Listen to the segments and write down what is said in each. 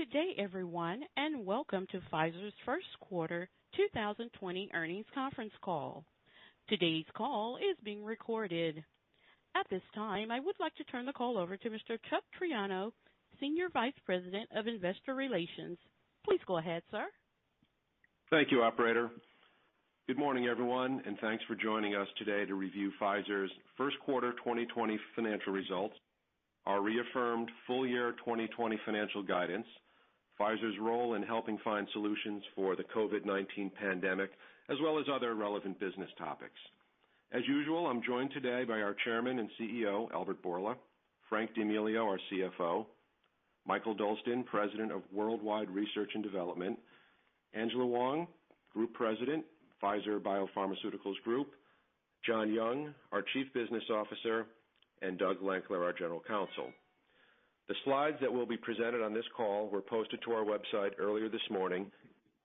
Good day, everyone, and welcome to Pfizer's first quarter 2020 earnings conference call. Today's call is being recorded. At this time, I would like to turn the call over to Mr. Chuck Triano, Senior Vice President of Investor Relations. Please go ahead, sir. Thank you, operator. Good morning, everyone, and thanks for joining us today to review Pfizer's first quarter 2020 financial results, our reaffirmed full-year 2020 financial guidance, Pfizer's role in helping find solutions for the COVID-19 pandemic, as well as other relevant business topics. As usual, I'm joined today by our Chairman and CEO, Albert Bourla, Frank D'Amelio, our CFO, Mikael Dolsten, President of Worldwide Research and Development, Angela Hwang, Group President, Pfizer Biopharmaceuticals Group, John Young, our Chief Business Officer, and Doug Lankler, our General Counsel. The slides that will be presented on this call were posted to our website earlier this morning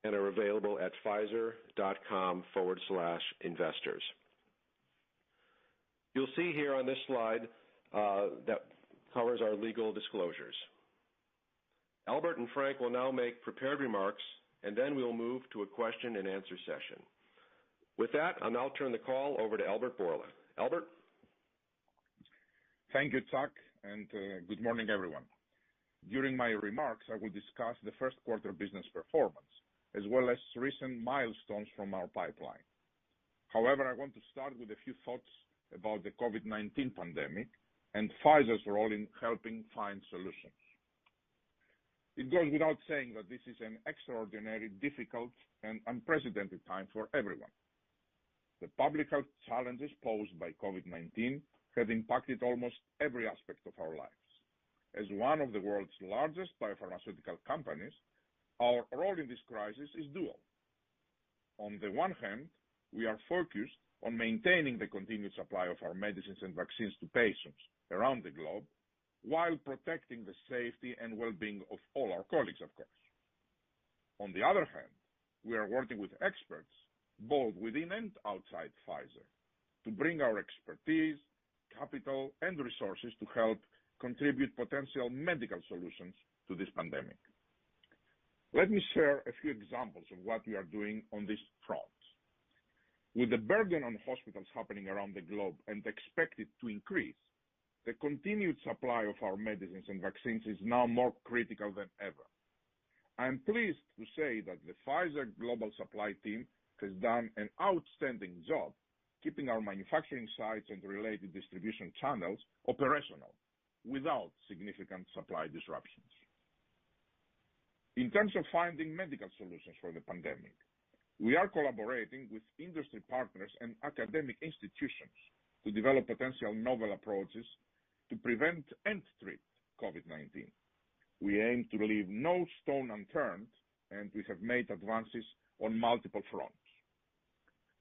and are available at pfizer.com/investors. You'll see here on this slide that covers our legal disclosures. Albert and Frank will now make prepared remarks. Then we'll move to a question-and-answer session. With that, I'll now turn the call over to Albert Bourla. Albert? Thank you, Chuck, and good morning, everyone. During my remarks, I will discuss the first quarter business performance, as well as recent milestones from our pipeline. However, I want to start with a few thoughts about the COVID-19 pandemic and Pfizer's role in helping find solutions. It goes without saying that this is an extraordinarily difficult and unprecedented time for everyone. The public health challenges posed by COVID-19 have impacted almost every aspect of our lives. As one of the world's largest biopharmaceutical companies, our role in this crisis is dual. On the one hand, we are focused on maintaining the continued supply of our medicines and vaccines to patients around the globe while protecting the safety and well-being of all our colleagues, of course. On the other hand, we are working with experts both within and outside Pfizer to bring our expertise, capital, and resources to help contribute potential medical solutions to this pandemic. Let me share a few examples of what we are doing on these fronts. With the burden on hospitals happening around the globe and expected to increase, the continued supply of our medicines and vaccines is now more critical than ever. I am pleased to say that the Pfizer global supply team has done an outstanding job keeping our manufacturing sites and related distribution channels operational without significant supply disruptions. In terms of finding medical solutions for the pandemic, we are collaborating with industry partners and academic institutions to develop potential novel approaches to prevent and treat COVID-19. We aim to leave no stone unturned, and we have made advances on multiple fronts.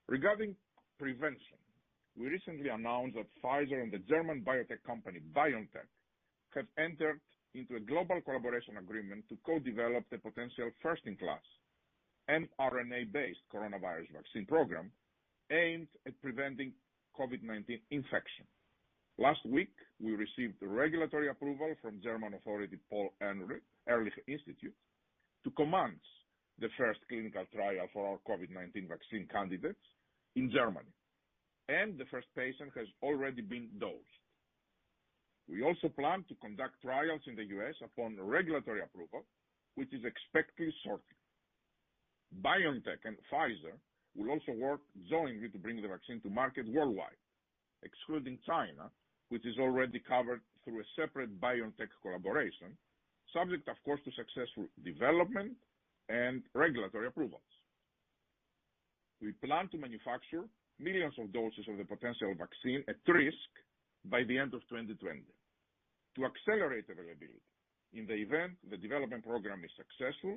Regarding prevention, we recently announced that Pfizer and the German biotech company BioNTech have entered into a global collaboration agreement to co-develop the potential first-in-class mRNA-based coronavirus vaccine program aimed at preventing COVID-19 infection. Last week, we received regulatory approval from German authority Paul-Ehrlich-Institut to commence the first clinical trial for our COVID-19 vaccine candidates in Germany, and the first patient has already been dosed. We also plan to conduct trials in the U.S. upon regulatory approval, which is expected shortly. BioNTech and Pfizer will also work jointly to bring the vaccine to market worldwide, excluding China, which is already covered through a separate BioNTech collaboration, subject, of course, to successful development and regulatory approvals. We plan to manufacture millions of doses of the potential vaccine at risk by the end of 2020 to accelerate availability in the event the development program is successful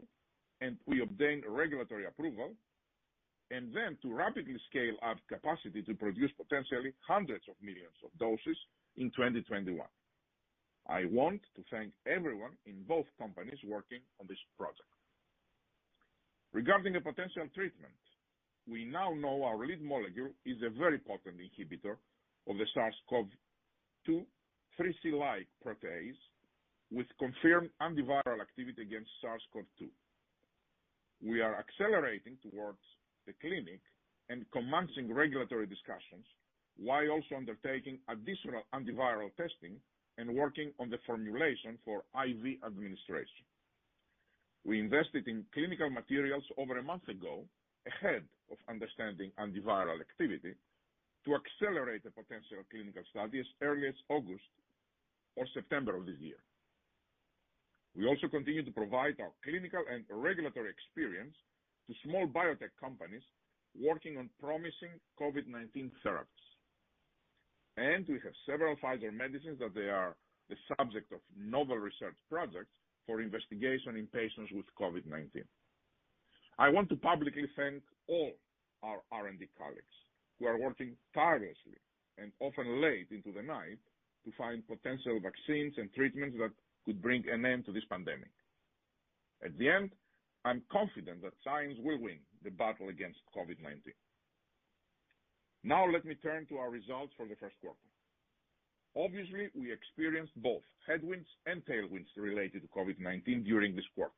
and we obtain regulatory approval, and then to rapidly scale up capacity to produce potentially hundreds of millions of doses in 2021. I want to thank everyone in both companies working on this project. Regarding a potential treatment, we now know our lead molecule is a very potent inhibitor of the SARS-CoV-2 3CL-like protease with confirmed antiviral activity against SARS-CoV-2. We are accelerating towards the clinic and commencing regulatory discussions while also undertaking additional antiviral testing and working on the formulation for IV administration. We invested in clinical materials over a month ago ahead of understanding antiviral activity to accelerate the potential clinical studies as early as August or September of this year. We also continue to provide our clinical and regulatory experience to small biotech companies working on promising COVID-19 therapies, and we have several Pfizer medicines that they are the subject of novel research projects for investigation in patients with COVID-19. I want to publicly thank all our R&D colleagues who are working tirelessly and often late into the night to find potential vaccines and treatments that could bring an end to this pandemic. At the end, I'm confident that science will win the battle against COVID-19. Now let me turn to our results for the first quarter. Obviously, we experienced both headwinds and tailwinds related to COVID-19 during this quarter.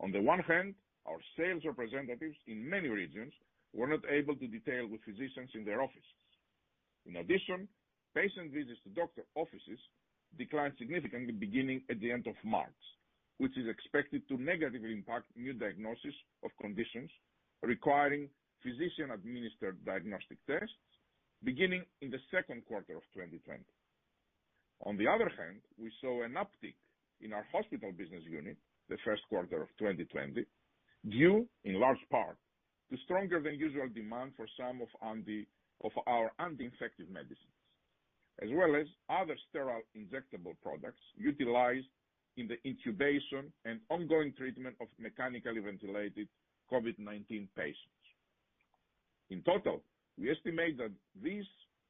On the one hand, our sales representatives in many regions were not able to detail with physicians in their offices. In addition, patient visits to doctor offices declined significantly beginning at the end of March, which is expected to negatively impact new diagnosis of conditions requiring physician-administered diagnostic tests beginning in the second quarter of 2020. On the other hand, we saw an uptick in our hospital business unit the first quarter of 2020, due in large part to stronger than usual demand for some of our anti-infective medicines, as well as other sterile injectable products utilized in the intubation and ongoing treatment of mechanically ventilated COVID-19 patients. In total, we estimate that these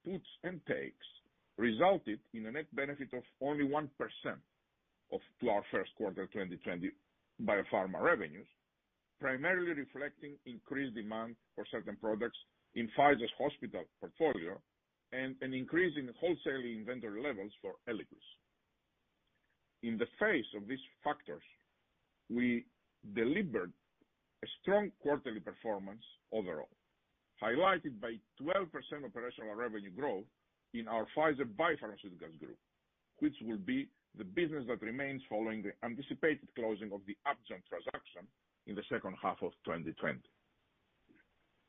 puts and takes resulted in a net benefit of only 1% to our first quarter 2020 biopharma revenues, primarily reflecting increased demand for certain products in Pfizer's hospital portfolio and an increase in wholesaler inventory levels for ELIQUIS. In the face of these factors, we delivered a strong quarterly performance overall, highlighted by 12% operational revenue growth in our Pfizer Biopharmaceuticals Group, which will be the business that remains following the anticipated closing of the Upjohn transaction in the second half of 2020.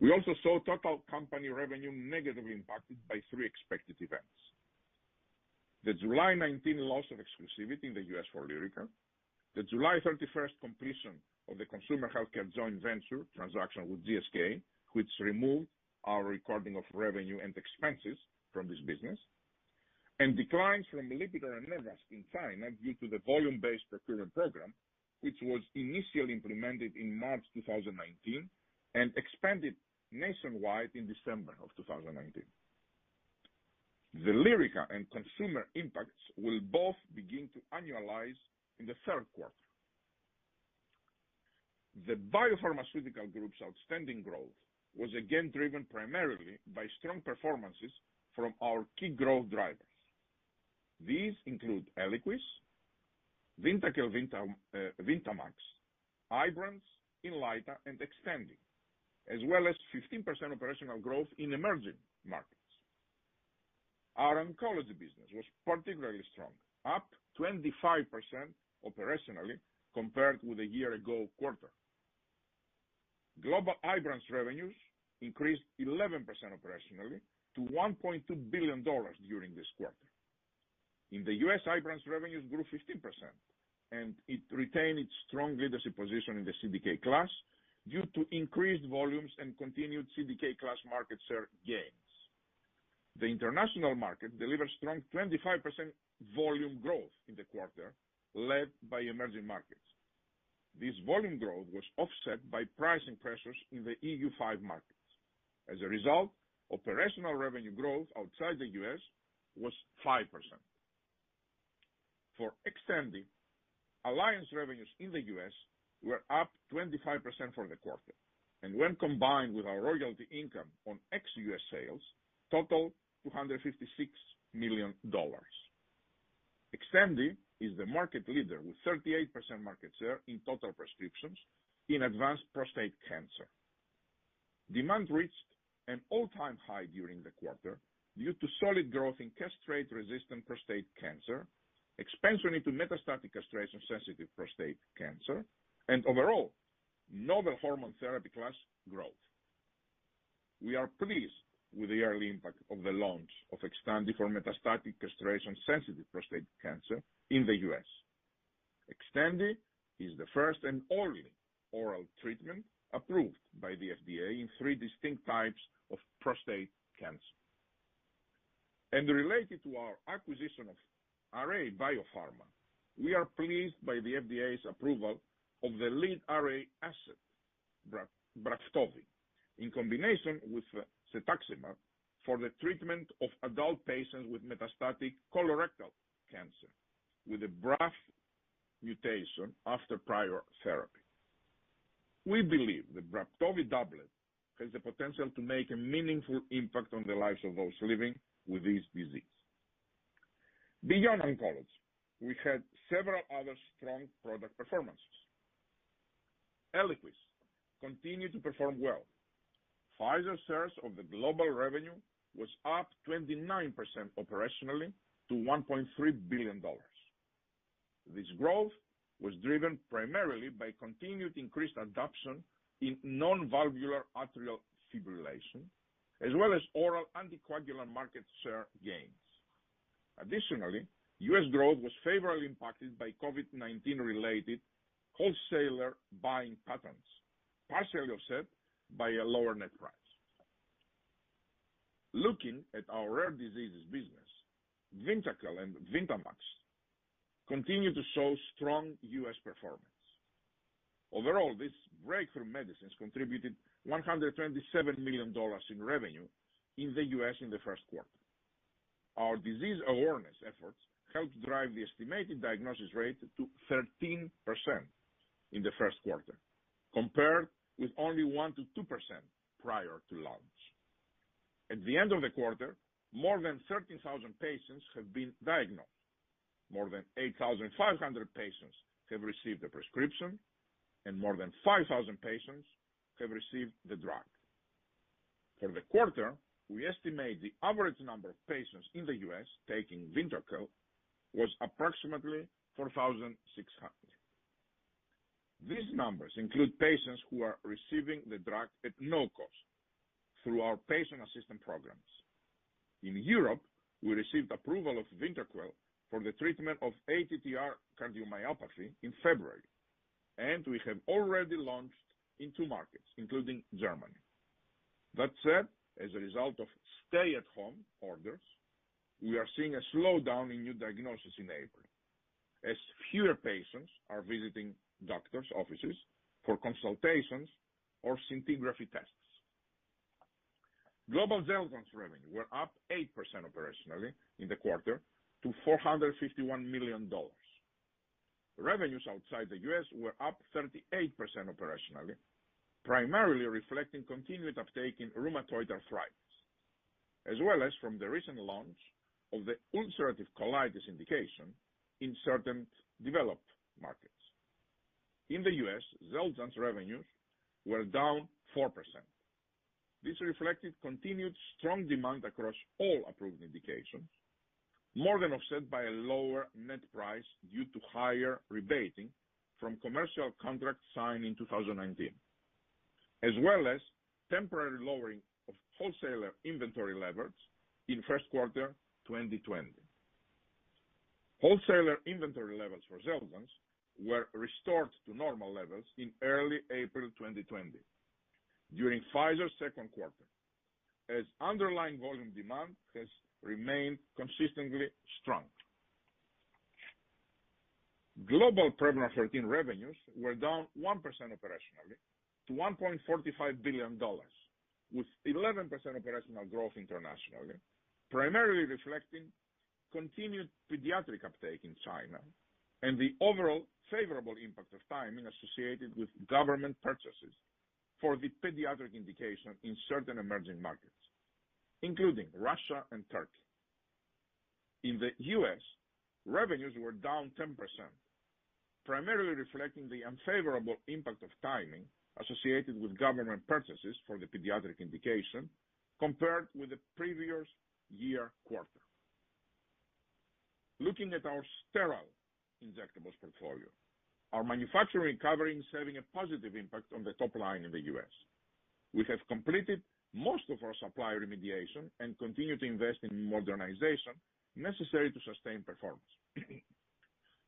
We also saw total company revenue negatively impacted by three expected events. The July 19 loss of exclusivity in the U.S. for LYRICA, the July 31st completion of the consumer healthcare joint venture transaction with GSK, which removed our recording of revenue and expenses from this business, and declines from LIPITOR and NORVASC in China due to the volume-based procurement program, which was initially implemented in March 2019 and expanded nationwide in December of 2019. The LYRICA and consumer impacts will both begin to annualize in the third quarter. The Pfizer Biopharmaceutical Group's outstanding growth was again driven primarily by strong performances from our key growth drivers. These include ELIQUIS, VYNDAQEL, VYNDAMAX, IBRANCE, INLYTA, and XTANDI, as well as 15% operational growth in emerging markets. Our oncology business was particularly strong, up 25% operationally compared with a year ago quarter. Global IBRANCE revenues increased 11% operationally to $1.2 billion during this quarter. In the U.S., IBRANCE revenues grew 15%, and it retained its strong leadership position in the CDK class due to increased volumes and continued CDK class market share gains. The international market delivered strong 25% volume growth in the quarter, led by emerging markets. This volume growth was offset by pricing pressures in the EU5 markets. As a result, operational revenue growth outside the U.S. was 5%. For XTANDI, alliance revenues in the U.S. were up 25% for the quarter, and when combined with our royalty income on ex-U.S. sales, total $256 million. XTANDI is the market leader with 38% market share in total prescriptions in advanced prostate cancer. Demand reached an all-time high during the quarter due to solid growth in castrate-resistant prostate cancer, expansion into metastatic castration-sensitive prostate cancer, and overall novel hormone therapy class growth. We are pleased with the early impact of the launch of XTANDI for metastatic castration-sensitive prostate cancer in the U.S. XTANDI is the first and only oral treatment approved by the FDA in three distinct types of prostate cancer. Related to our acquisition of Array BioPharma, we are pleased by the FDA's approval of the lead Array asset, BRAFTOVI, in combination with cetuximab for the treatment of adult patients with metastatic colorectal cancer, with a BRAF mutation after prior therapy. We believe the BRAFTOVI doublet has the potential to make a meaningful impact on the lives of those living with this disease. Beyond oncology, we had several other strong product performances. ELIQUIS continued to perform well. Pfizer's share of the global revenue was up 29% operationally to $1.3 billion. This growth was driven primarily by continued increased adoption in non-valvular atrial fibrillation, as well as oral anticoagulant market share gains. Additionally, U.S. growth was favorably impacted by COVID-19-related wholesaler buying patterns, partially offset by a lower net price. Looking at our rare diseases business, VYNDAQEL and VYNDAMAX continue to show strong U.S. performance. Overall, these breakthrough medicines contributed $127 million in revenue in the U.S. in the first quarter. Our disease awareness efforts helped drive the estimated diagnosis rate to 13% in the first quarter, compared with only 1% to 2% prior to launch. At the end of the quarter, more than 13,000 patients have been diagnosed. More than 8,500 patients have received a prescription, and more than 5,000 patients have received the drug. For the quarter, we estimate the average number of patients in the U.S. taking VYNDAQEL was approximately 4,600. These numbers include patients who are receiving the drug at no cost through our patient assistance programs. In Europe, we received approval of VYNDAQEL for the treatment of ATTR cardiomyopathy in February, and we have already launched in two markets, including Germany. That said, as a result of stay-at-home orders, we are seeing a slowdown in new diagnoses in April, as fewer patients are visiting doctor's offices for consultations or scintigraphy tests. Global XELJANZ revenue were up 8% operationally in the quarter to $451 million. Revenues outside the U.S. were up 38% operationally, primarily reflecting continued uptake in rheumatoid arthritis, as well as from the recent launch of the ulcerative colitis indication in certain developed markets. In the U.S., XELJANZ revenues were down 4%. This reflected continued strong demand across all approved indications, more than offset by a lower net price due to higher rebating from commercial contracts signed in 2019, as well as temporary lowering of wholesaler inventory levels in first quarter 2020. Wholesaler inventory levels for XELJANZ were restored to normal levels in early April 2020 during Pfizer's second quarter, as underlying volume demand has remained consistently strong. Global Prevnar 13 revenues were down 1% operationally to $1.45 billion, with 11% operational growth internationally, primarily reflecting continued pediatric uptake in China and the overall favorable impact of timing associated with government purchases for the pediatric indication in certain emerging markets, including Russia and Turkey. In the U.S., revenues were down 10%, primarily reflecting the unfavorable impact of timing associated with government purchases for the pediatric indication compared with the previous year quarter. Looking at our sterile injectables portfolio, our manufacturing recovery is having a positive impact on the top line in the U.S. We have completed most of our supply remediation and continue to invest in modernization necessary to sustain performance.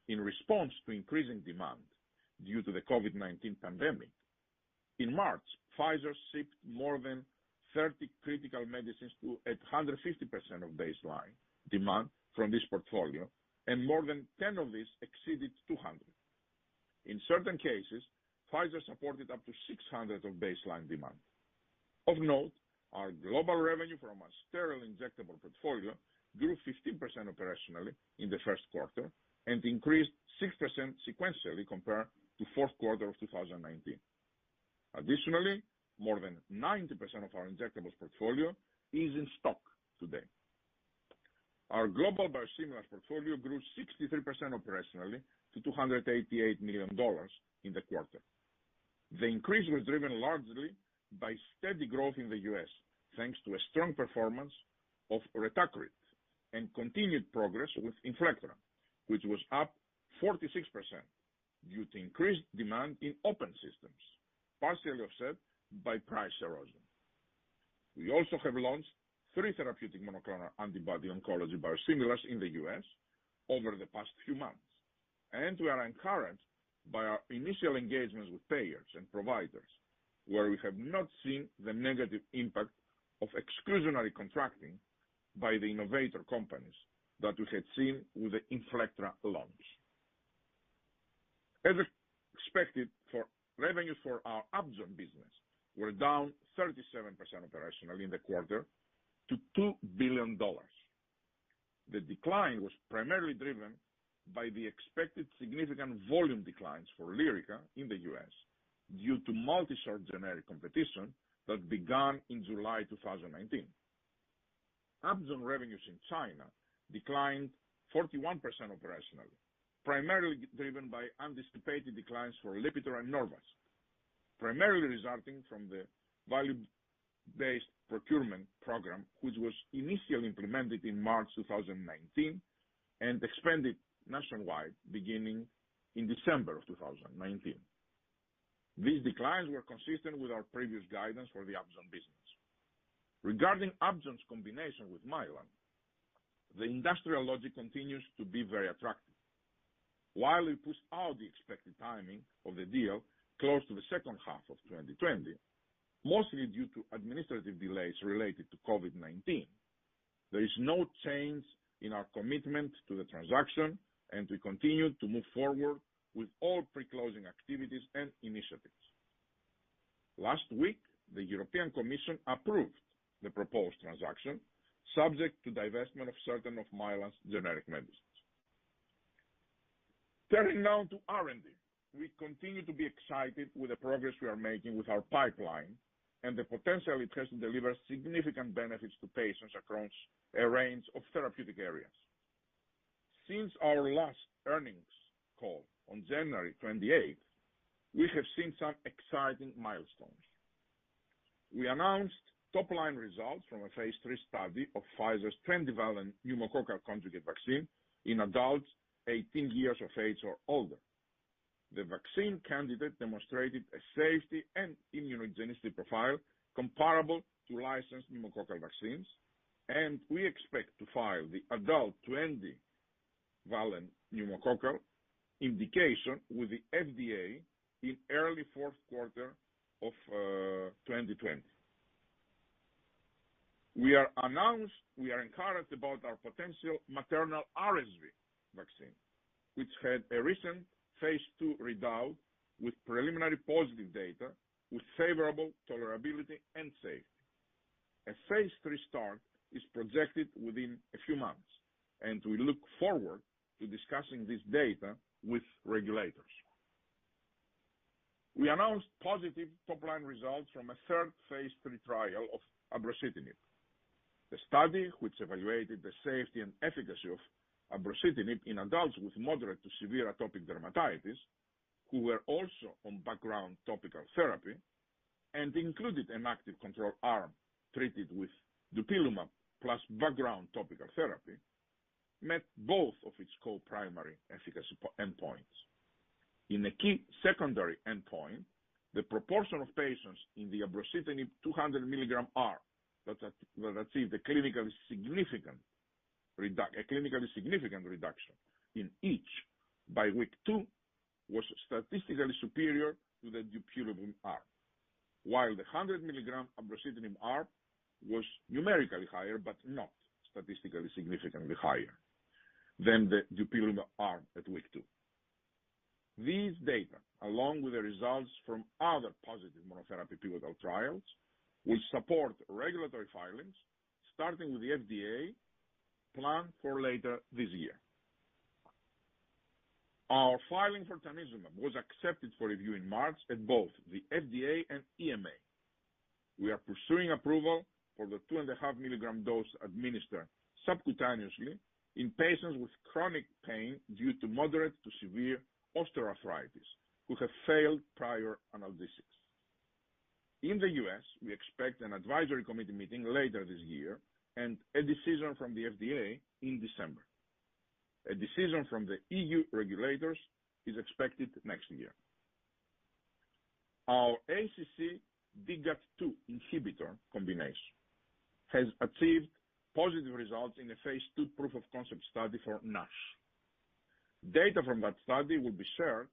In response to increasing demand due to the COVID-19 pandemic, in March, Pfizer shipped more than 30 critical medicines at 150% of baseline demand from this portfolio, and more than 10 of these exceeded 200. In certain cases, Pfizer supported up to 600 of baseline demand. Of note, our global revenue from our sterile injectable portfolio grew 15% operationally in the first quarter and increased 6% sequentially compared to fourth quarter of 2019. Additionally, more than 90% of our injectables portfolio is in stock today. Our global biosimilars portfolio grew 63% operationally to $288 million in the quarter. The increase was driven largely by steady growth in the U.S., thanks to a strong performance of RETACRIT and continued progress with INFLECTRA, which was up 46% due to increased demand in open systems, partially offset by price erosion. We also have launched three therapeutic monoclonal antibody oncology biosimilars in the U.S. over the past few months. We are encouraged by our initial engagements with payers and providers, where we have not seen the negative impact of exclusionary contracting by the innovator companies that we had seen with the INFLECTRA launch. As expected, revenues for our Upjohn business were down 37% operationally in the quarter to $2 billion. The decline was primarily driven by the expected significant volume declines for LYRICA in the U.S. due to multi-source generic competition that began in July 2019. Upjohn revenues in China declined 41% operationally, primarily driven by anticipated declines for LIPITOR and NORVASC, primarily resulting from the volume-based procurement program, which was initially implemented in March 2019 and expanded nationwide beginning in December of 2019. These declines were consistent with our previous guidance for the Upjohn business. Regarding Upjohn's combination with Mylan, the industrial logic continues to be very attractive. While we pushed out the expected timing of the deal close to the second half of 2020, mostly due to administrative delays related to COVID-19, there is no change in our commitment to the transaction, and we continue to move forward with all pre-closing activities and initiatives. Last week, the European Commission approved the proposed transaction, subject to divestment of certain of Mylan's generic medicines. Turning now to R&D. We continue to be excited with the progress we are making with our pipeline and the potential it has to deliver significant benefits to patients across a range of therapeutic areas. Since our last earnings call on January 28th, we have seen some exciting milestones. We announced top-line results from a phase III study of Pfizer's 20-valent pneumococcal conjugate vaccine in adults 18 years of age or older. The vaccine candidate demonstrated a safety and immunogenicity profile comparable to licensed pneumococcal vaccines, and we expect to file the adult 20-valent pneumococcal indication with the FDA in early fourth quarter of 2020. We are encouraged about our potential maternal RSV vaccine, which had a recent phase II readout with preliminary positive data with favorable tolerability and safety. A phase III start is projected within a few months, and we look forward to discussing this data with regulators. We announced positive top-line results from a third phase III trial of abrocitinib. The study, which evaluated the safety and efficacy of abrocitinib in adults with moderate to severe atopic dermatitis, who were also on background topical therapy and included an active control arm treated with dupilumab plus background topical therapy, met both of its co-primary efficacy endpoints. In a key secondary endpoint, the proportion of patients in the abrocitinib 200 mg arm that achieved a clinically significant reduction in itch by week two was statistically superior to the dupilumab arm. While the 100 mg abrocitinib arm was numerically higher, but not statistically significantly higher than the dupilumab arm at week two. These data, along with the results from other positive monotherapy pivotal trials, will support regulatory filings, starting with the FDA, planned for later this year. Our filing for tanezumab was accepted for review in March at both the FDA and EMA. We are pursuing approval for the 2.5 mg dose administered subcutaneously in patients with chronic pain due to moderate to severe osteoarthritis who have failed prior analgesics. In the U.S., we expect an advisory committee meeting later this year and a decision from the FDA in December. A decision from the EU regulators is expected next year. Our ACC DGAT2 inhibitor combination has achieved positive results in a phase II proof-of-concept study for NASH. Data from that study will be shared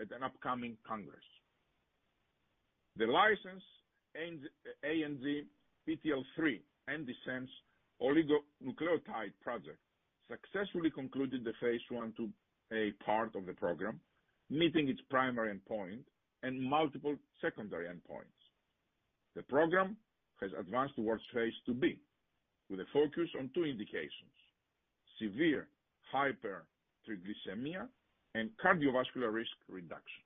at an upcoming congress. The licensed ANGPTL3 antisense oligonucleotide project successfully concluded the phase I to a part of the program, meeting its primary endpoint and multiple secondary endpoints. The program has advanced towards phase II-B with a focus on two indications, severe hypertriglyceridemia and cardiovascular risk reduction.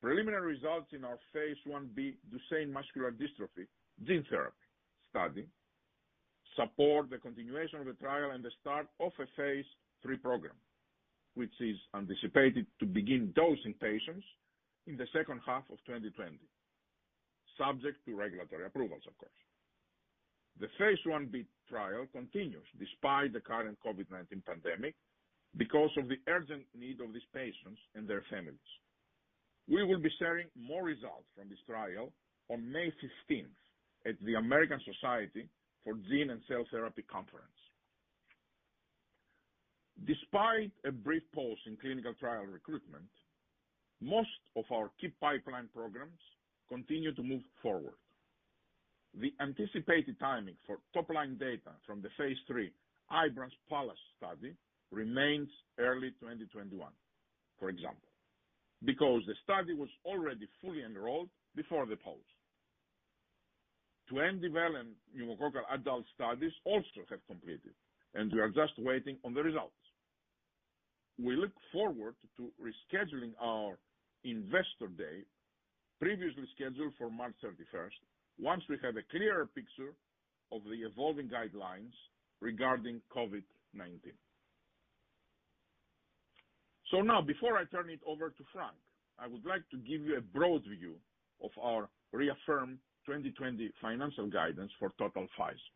Preliminary results in our phase I-B Duchenne muscular dystrophy gene therapy study support the continuation of the trial and the start of a phase III program, which is anticipated to begin dosing patients in the second half of 2020, subject to regulatory approvals, of course. The phase I-B trial continues despite the current COVID-19 pandemic because of the urgent need of these patients and their families. We will be sharing more results from this trial on May 15th at the American Society of Gene & Cell Therapy Conference. Despite a brief pause in clinical trial recruitment, most of our key pipeline programs continue to move forward. The anticipated timing for top-line data from the phase III IBRANCE PALLAS study remains early 2021, for example, because the study was already fully enrolled before the pause. 20-valent pneumococcal adult studies also have completed, and we are just waiting on the results. We look forward to rescheduling our investor day, previously scheduled for March 31st, once we have a clearer picture of the evolving guidelines regarding COVID-19. Now, before I turn it over to Frank, I would like to give you a broad view of our reaffirmed 2020 financial guidance for total Pfizer.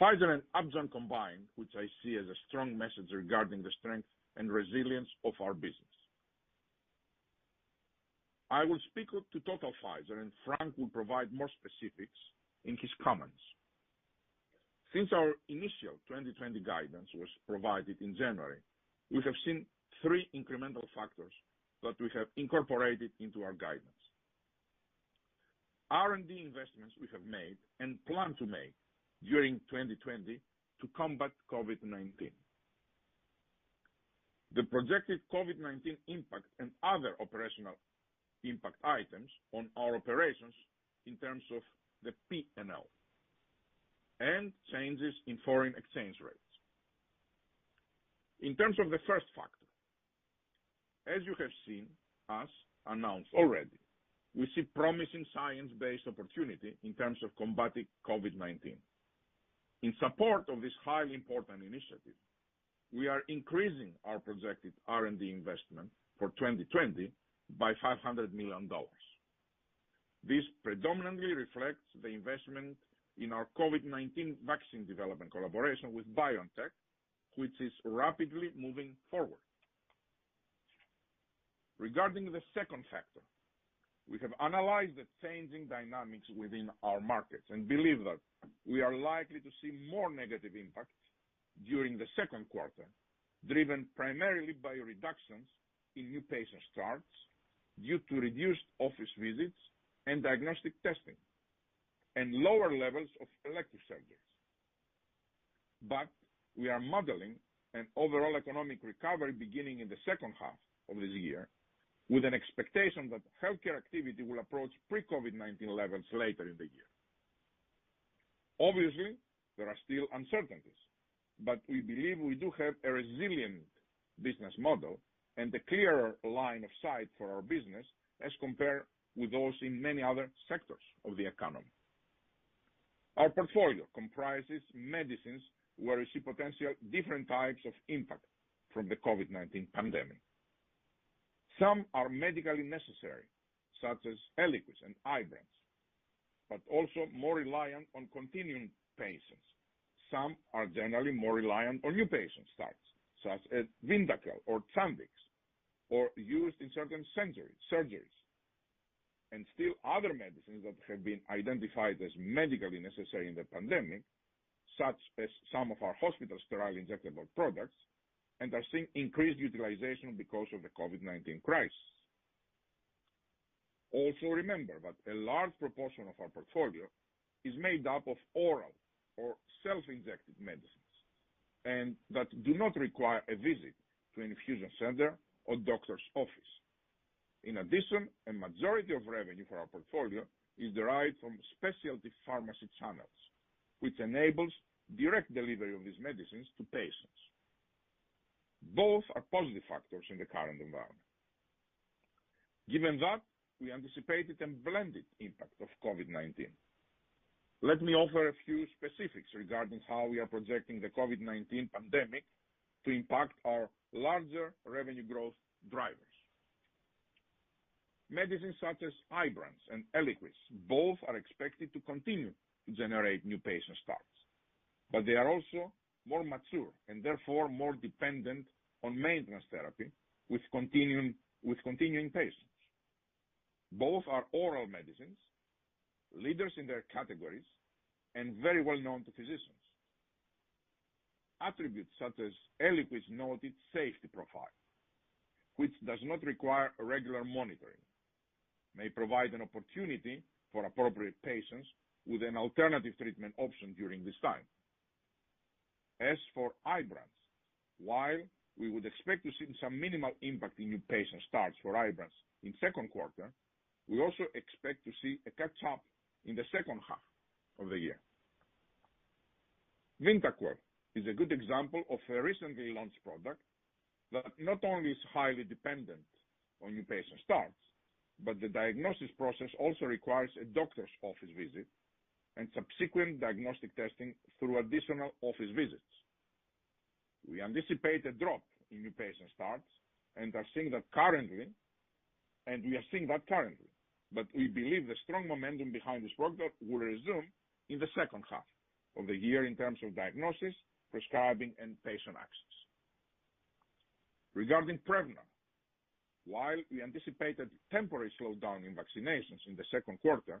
Pfizer and Upjohn combined, which I see as a strong message regarding the strength and resilience of our business. I will speak to total Pfizer, and Frank will provide more specifics in his comments. Since our initial 2020 guidance was provided in January, we have seen three incremental factors that we have incorporated into our guidance. R&D investments we have made and plan to make during 2020 to combat COVID-19. The projected COVID-19 impact and other operational impact items on our operations in terms of the P&L, and changes in foreign exchange rates. In terms of the first factor, as you have seen us announce already, we see promising science-based opportunity in terms of combating COVID-19. In support of this highly important initiative, we are increasing our projected R&D investment for 2020 by $500 million. This predominantly reflects the investment in our COVID-19 vaccine development collaboration with BioNTech, which is rapidly moving forward. Regarding the second factor, we have analyzed the changing dynamics within our markets and believe that we are likely to see more negative impact during the second quarter, driven primarily by reductions in new patient starts due to reduced office visits and diagnostic testing, and lower levels of elective surgeries. We are modeling an overall economic recovery beginning in the second half of this year, with an expectation that healthcare activity will approach pre-COVID-19 levels later in the year. Obviously, there are still uncertainties. We believe we do have a resilient business model and a clearer line of sight for our business as compared with those in many other sectors of the economy. Our portfolio comprises medicines where we see potential different types of impact from the COVID-19 pandemic. Some are medically necessary, such as ELIQUIS and IBRANCE, but also more reliant on continuing patients. Some are generally more reliant on new patient starts, such as VYNDAQEL or CHANTIX, or used in certain surgeries. Still other medicines that have been identified as medically necessary in the pandemic, such as some of our hospital sterile injectable products, and are seeing increased utilization because of the COVID-19 crisis. Remember that a large proportion of our portfolio is made up of oral or self-injected medicines, and that do not require a visit to an infusion center or doctor's office. In addition, a majority of revenue for our portfolio is derived from specialty pharmacy channels, which enables direct delivery of these medicines to patients. Both are positive factors in the current environment. Given that, we anticipated a blended impact of COVID-19. Let me offer a few specifics regarding how we are projecting the COVID-19 pandemic to impact our larger revenue growth drivers. Medicines such as IBRANCE and ELIQUIS both are expected to continue to generate new patient starts. They are also more mature and therefore more dependent on maintenance therapy with continuing patients. Both are oral medicines, leaders in their categories, and very well-known to physicians. Attributes such as ELIQUIS' noted safety profile, which does not require regular monitoring, may provide an opportunity for appropriate patients with an alternative treatment option during this time. As for IBRANCE, while we would expect to see some minimal impact in new patient starts for IBRANCE in second quarter, we also expect to see a catch-up in the second half of the year. VYNDAQEL is a good example of a recently launched product that not only is highly dependent on new patient starts, but the diagnosis process also requires a doctor's office visit and subsequent diagnostic testing through additional office visits. We anticipate a drop in new patient starts, and are seeing that currently. We believe the strong momentum behind this product will resume in the second half of the year in terms of diagnosis, prescribing, and patient access. Regarding Prevnar, while we anticipate a temporary slowdown in vaccinations in the second quarter,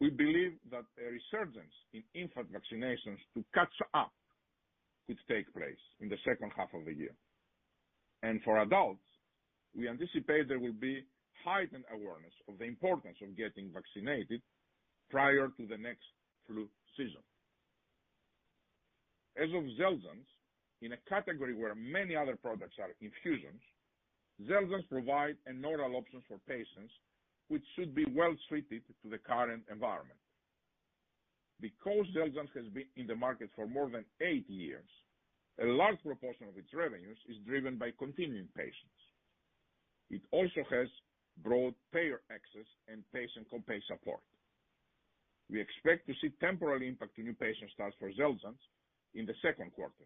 we believe that a resurgence in infant vaccinations to catch up could take place in the second half of the year. For adults, we anticipate there will be heightened awareness of the importance of getting vaccinated prior to the next flu season. As of XELJANZ, in a category where many other products are infusions, XELJANZ provide an oral option for patients, which should be well-suited to the current environment. Because XELJANZ has been in the market for more than eight years, a large proportion of its revenues is driven by continuing patients. It also has broad payer access and patient co-pay support. We expect to see temporary impact in new patient starts for XELJANZ in the second quarter.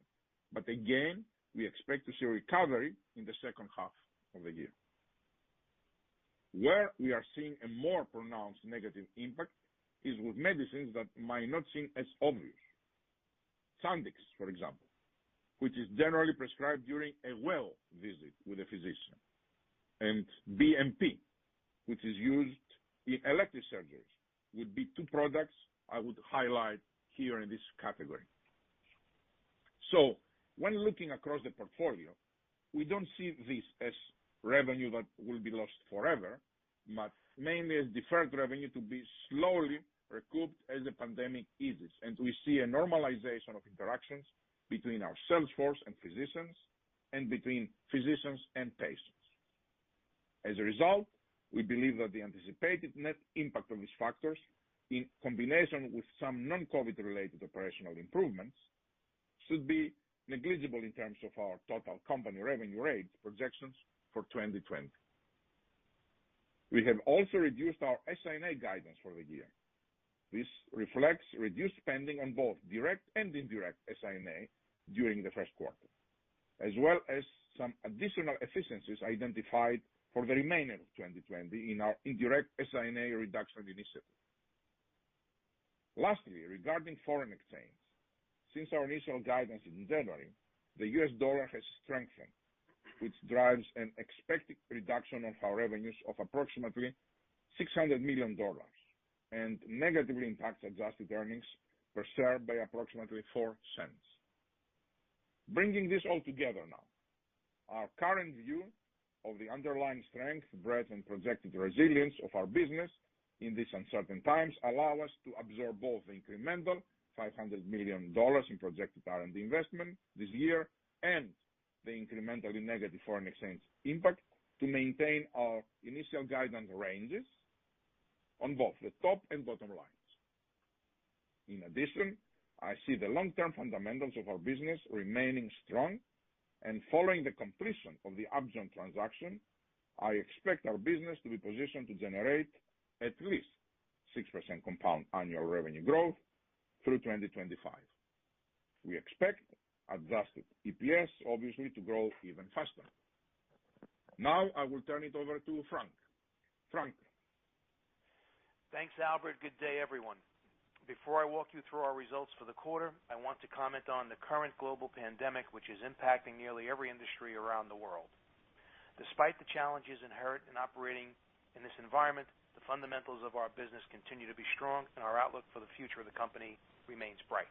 Again, we expect to see a recovery in the second half of the year. Where we are seeing a more pronounced negative impact is with medicines that might not seem as obvious. Chantix, for example, which is generally prescribed during a well visit with a physician, and BMP, which is used in elective surgeries, would be two products I would highlight here in this category. When looking across the portfolio, we don't see this as revenue that will be lost forever, but mainly as deferred revenue to be slowly recouped as the pandemic eases and we see a normalization of interactions between our sales force and physicians, and between physicians and patients. As a result, we believe that the anticipated net impact of these factors, in combination with some non-COVID related operational improvements, should be negligible in terms of our total company revenue rate projections for 2020. We have also reduced our SI&A guidance for the year. This reflects reduced spending on both direct and indirect SI&A during the first quarter, as well as some additional efficiencies identified for the remainder of 2020 in our indirect SI&A reduction initiative. Regarding foreign exchange. Since our initial guidance in January, the U.S. dollar has strengthened, which drives an expected reduction of our revenues of approximately $600 million and negatively impacts adjusted earnings per share by approximately $0.04. Bringing this all together now. Our current view of the underlying strength, breadth, and projected resilience of our business in these uncertain times allow us to absorb both the incremental $500 million in projected R&D investment this year and the incrementally negative foreign exchange impact to maintain our initial guidance ranges on both the top and bottom lines. I see the long-term fundamentals of our business remaining strong, and following the completion of the Upjohn transaction, I expect our business to be positioned to generate at least 6% compound annual revenue growth through 2025. We expect adjusted EPS, obviously, to grow even faster. I will turn it over to Frank. Frank? Thanks, Albert. Good day, everyone. Before I walk you through our results for the quarter, I want to comment on the current global pandemic, which is impacting nearly every industry around the world. Despite the challenges inherent in operating in this environment, the fundamentals of our business continue to be strong, and our outlook for the future of the company remains bright.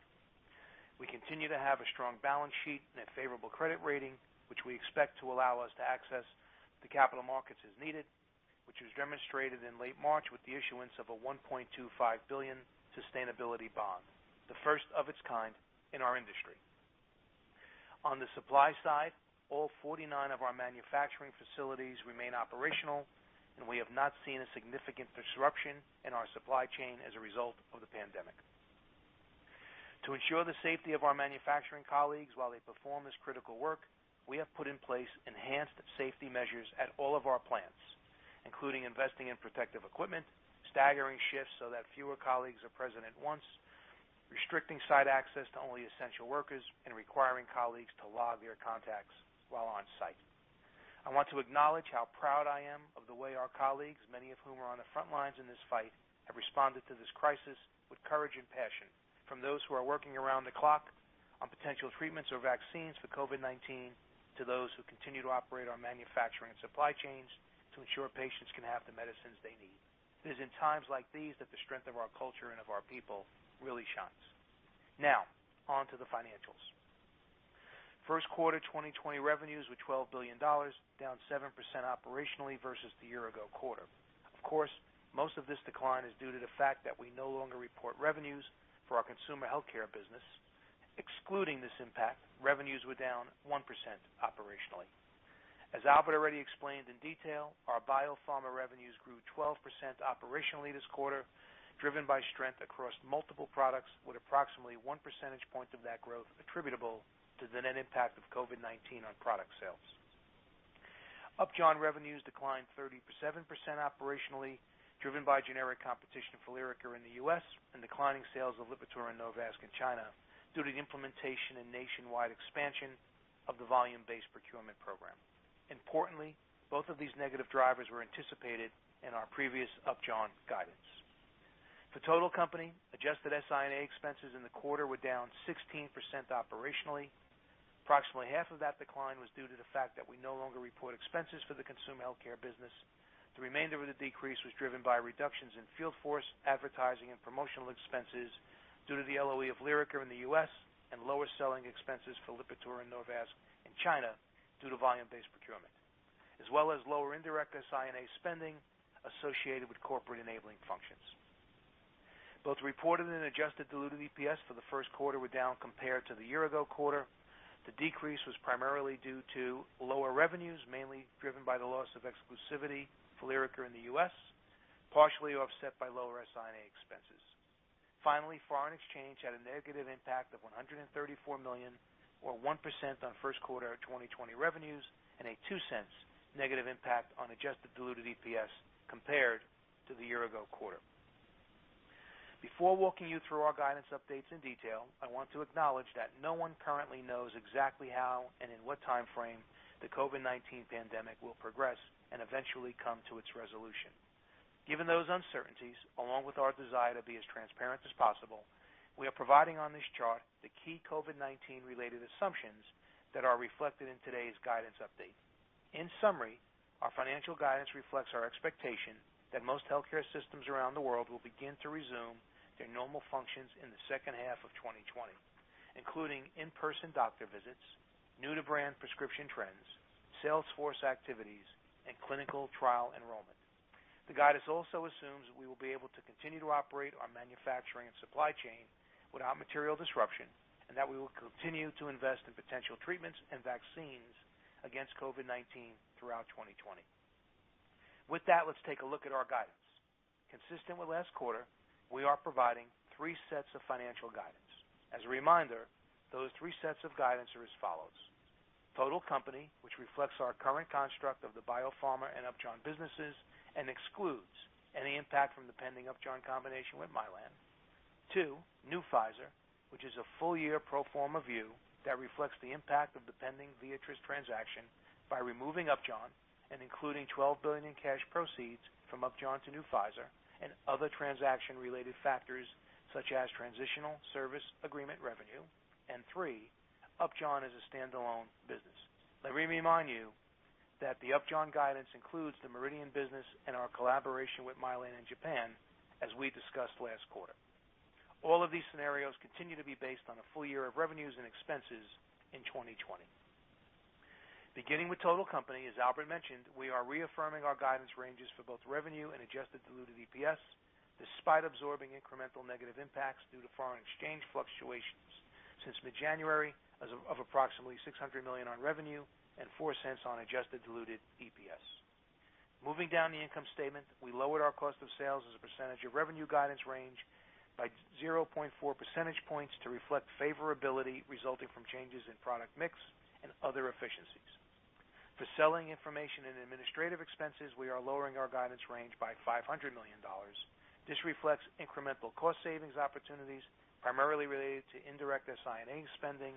We continue to have a strong balance sheet and a favorable credit rating, which we expect to allow us to access the capital markets as needed, which was demonstrated in late March with the issuance of a $1.25 billion sustainability bond, the first of its kind in our industry. On the supply side, all 49 of our manufacturing facilities remain operational, and we have not seen a significant disruption in our supply chain as a result of the pandemic. To ensure the safety of our manufacturing colleagues while they perform this critical work, we have put in place enhanced safety measures at all of our plants, including investing in protective equipment, staggering shifts so that fewer colleagues are present at once, restricting site access to only essential workers, and requiring colleagues to log their contacts while on-site. I want to acknowledge how proud I am of the way our colleagues, many of whom are on the front lines in this fight, have responded to this crisis with courage and passion. From those who are working around the clock on potential treatments or vaccines for COVID-19, to those who continue to operate our manufacturing and supply chains to ensure patients can have the medicines they need. It is in times like these that the strength of our culture and of our people really shines. Now, onto the financials. First quarter 2020 revenues were $12 billion, down 7% operationally versus the year-ago quarter. Of course, most of this decline is due to the fact that we no longer report revenues for our consumer healthcare business. Excluding this impact, revenues were down 1% operationally. As Albert already explained in detail, our Biopharma revenues grew 12% operationally this quarter, driven by strength across multiple products with approximately one percentage point of that growth attributable to the net impact of COVID-19 on product sales. Upjohn revenues declined 37% operationally, driven by generic competition for LYRICA in the U.S. and declining sales of LIPITOR and NORVASC in China due to the implementation and nationwide expansion of the volume-based procurement program. Importantly, both of these negative drivers were anticipated in our previous Upjohn guidance. For total company, adjusted SI&A expenses in the quarter were down 16% operationally. Approximately half of that decline was due to the fact that we no longer report expenses for the consumer healthcare business. The remainder of the decrease was driven by reductions in field force advertising and promotional expenses due to the LOE of LYRICA in the U.S. and lower selling expenses for LIPITOR and NORVASC in China due to volume-based procurement, as well as lower indirect SI&A spending associated with corporate enabling functions. Both reported and adjusted diluted EPS for the first quarter were down compared to the year-ago quarter. The decrease was primarily due to lower revenues, mainly driven by the loss of exclusivity for LYRICA in the U.S., partially offset by lower SI&A expenses. Foreign exchange had a negative impact of $134 million or 1% on first quarter 2020 revenues and a $0.02 negative impact on adjusted diluted EPS compared to the year-ago quarter. Before walking you through our guidance updates in detail, I want to acknowledge that no one currently knows exactly how and in what timeframe the COVID-19 pandemic will progress and eventually come to its resolution. Given those uncertainties, along with our desire to be as transparent as possible, we are providing on this chart the key COVID-19 related assumptions that are reflected in today's guidance update. In summary, our financial guidance reflects our expectation that most healthcare systems around the world will begin to resume their normal functions in the second half of 2020, including in-person doctor visits, new-to-brand prescription trends, sales force activities, and clinical trial enrollment. The guidance also assumes we will be able to continue to operate our manufacturing and supply chain without material disruption, and that we will continue to invest in potential treatments and vaccines against COVID-19 throughout 2020. With that, let's take a look at our guidance. Consistent with last quarter, we are providing three sets of financial guidance. As a reminder, those three sets of guidance are as follows. Total company, which reflects our current construct of the BioPharma and Upjohn businesses and excludes any impact from the pending Upjohn combination with Mylan. Two, new Pfizer, which is a full-year pro forma view that reflects the impact of the pending Viatris transaction by removing Upjohn and including $12 billion in cash proceeds from Upjohn to new Pfizer and other transaction-related factors such as transitional service agreement revenue. Three, Upjohn is a standalone business. Let me remind you that the Upjohn guidance includes the Meridian business and our collaboration with Mylan in Japan, as we discussed last quarter. All of these scenarios continue to be based on a full year of revenues and expenses in 2020. Beginning with total company, as Albert mentioned, we are reaffirming our guidance ranges for both revenue and adjusted diluted EPS, despite absorbing incremental negative impacts due to foreign exchange fluctuations since mid-January of approximately $600 million on revenue and $0.04 on adjusted diluted EPS. Moving down the income statement, we lowered our cost of sales as a percentage of revenue guidance range by 0.4 percentage points to reflect favorability resulting from changes in product mix and other efficiencies. For Selling, Informational and Administrative expenses, we are lowering our guidance range by $500 million. This reflects incremental cost savings opportunities primarily related to indirect SI&A spending,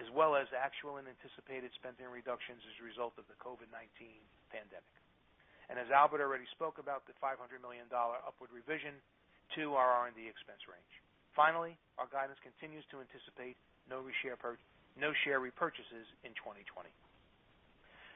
as well as actual and anticipated spending reductions as a result of the COVID-19 pandemic. As Albert already spoke about, the $500 million upward revision to our R&D expense range. Finally, our guidance continues to anticipate no share repurchases in 2020.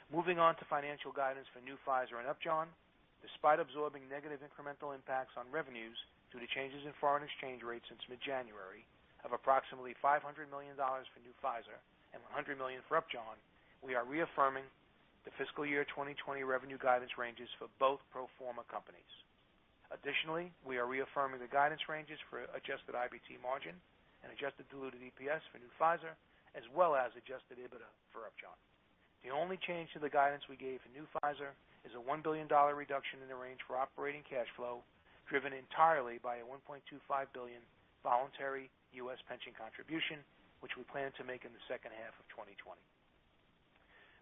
Moving on to financial guidance for new Pfizer and Upjohn. Despite absorbing negative incremental impacts on revenues due to changes in foreign exchange rates since mid-January of approximately $500 million for new Pfizer and $100 million for Upjohn, we are reaffirming the fiscal year 2020 revenue guidance ranges for both pro forma companies. Additionally, we are reaffirming the guidance ranges for adjusted IBT margin and adjusted diluted EPS for new Pfizer, as well as adjusted EBITDA for Upjohn. The only change to the guidance we gave for new Pfizer is a $1 billion reduction in the range for operating cash flow, driven entirely by a $1.25 billion voluntary U.S. pension contribution, which we plan to make in the second half of 2020.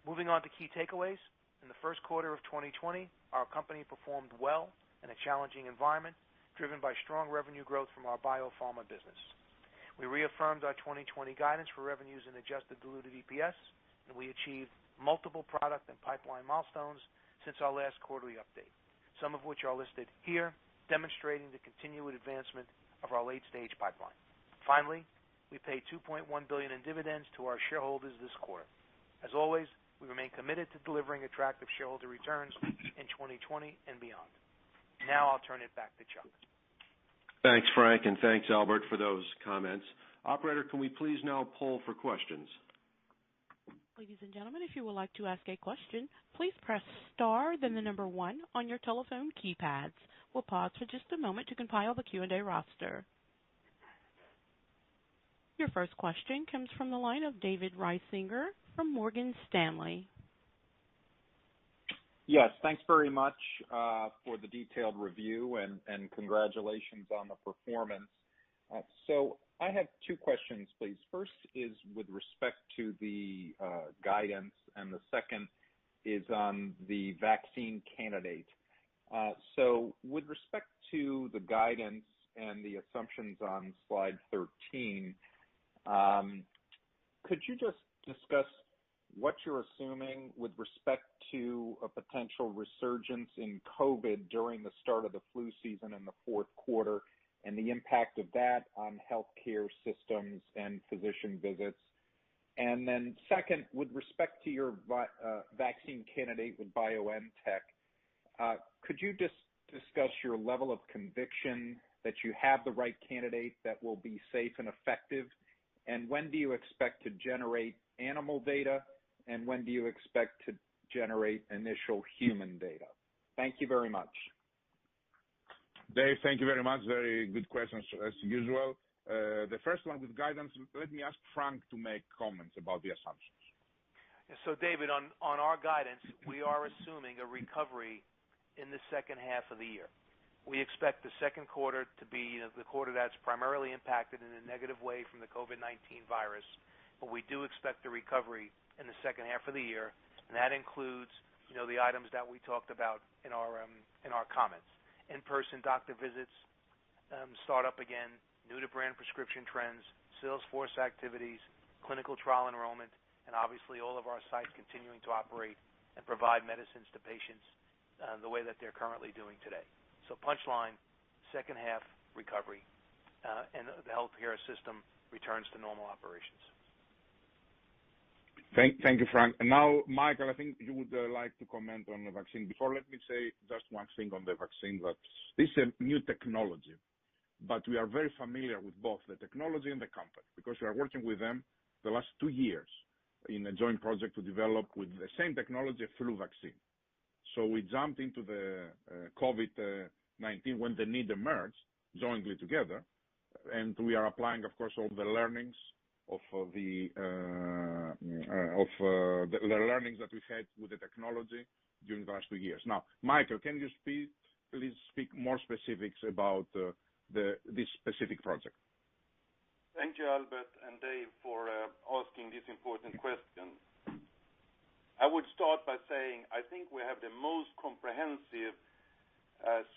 Moving on to key takeaways. In the first quarter of 2020, our company performed well in a challenging environment, driven by strong revenue growth from our BioPharma business. We reaffirmed our 2020 guidance for revenues and adjusted diluted EPS. We achieved multiple product and pipeline milestones since our last quarterly update, some of which are listed here, demonstrating the continued advancement of our late-stage pipeline. Finally, we paid $2.1 billion in dividends to our shareholders this quarter. As always, we remain committed to delivering attractive shareholder returns in 2020 and beyond. I'll turn it back to Chuck. Thanks, Frank, and thanks, Albert, for those comments. Operator, can we please now poll for questions? Ladies and gentlemen, if you would like to ask a question, please press star then the number one on your telephone keypads. We'll pause for just a moment to compile the Q&A roster. Your first question comes from the line of David Risinger from Morgan Stanley. Yes. Thanks very much for the detailed review and congratulations on the performance. I have two questions, please. First is with respect to the guidance and the second is on the vaccine candidate. With respect to the guidance and the assumptions on slide 13, could you just discuss what you're assuming with respect to a potential resurgence in COVID during the start of the flu season in the fourth quarter and the impact of that on healthcare systems and physician visits? Then second, with respect to your vaccine candidate with BioNTech, could you just discuss your level of conviction that you have the right candidate that will be safe and effective? When do you expect to generate animal data, and when do you expect to generate initial human data? Thank you very much. Dave, thank you very much. Very good questions as usual. The first one with guidance, let me ask Frank to make comments about the assumptions. David, on our guidance, we are assuming a recovery in the second half of the year. We expect the second quarter to be the quarter that's primarily impacted in a negative way from the COVID-19 virus. We do expect a recovery in the second half of the year, and that includes the items that we talked about in our comments. In-person doctor visits start up again, new-to-brand prescription trends, sales force activities, clinical trial enrollment, and obviously all of our sites continuing to operate and provide medicines to patients the way that they're currently doing today. Punchline, second half recovery and the healthcare system returns to normal operations. Thank you, Frank. Now, Mikael, I think you would like to comment on the vaccine. Before, let me say just one thing on the vaccine, that it's a new technology, but we are very familiar with both the technology and the company, because we are working with them the last two years in a joint project to develop with the same technology a flu vaccine. We jumped into the COVID-19 when the need emerged jointly together, and we are applying, of course, all the learnings that we've had with the technology during the last two years. Now, Mikael, can you please speak more specifics about this specific project? Thank you, Albert and Dave, for asking this important question. I would start by saying I think we have the most comprehensive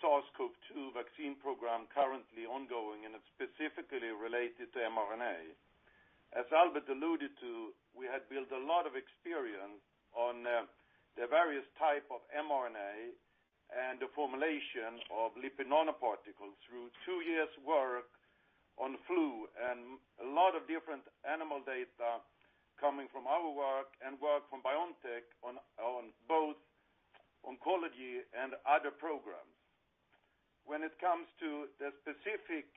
SARS-CoV-2 vaccine program currently ongoing. It's specifically related to mRNA. As Albert alluded to, we had built a lot of experience on the various type of mRNA and the formulation of lipid nanoparticles through two years' work on flu and a lot of different animal data coming from our work and work from BioNTech on both oncology and other programs. When it comes to the specific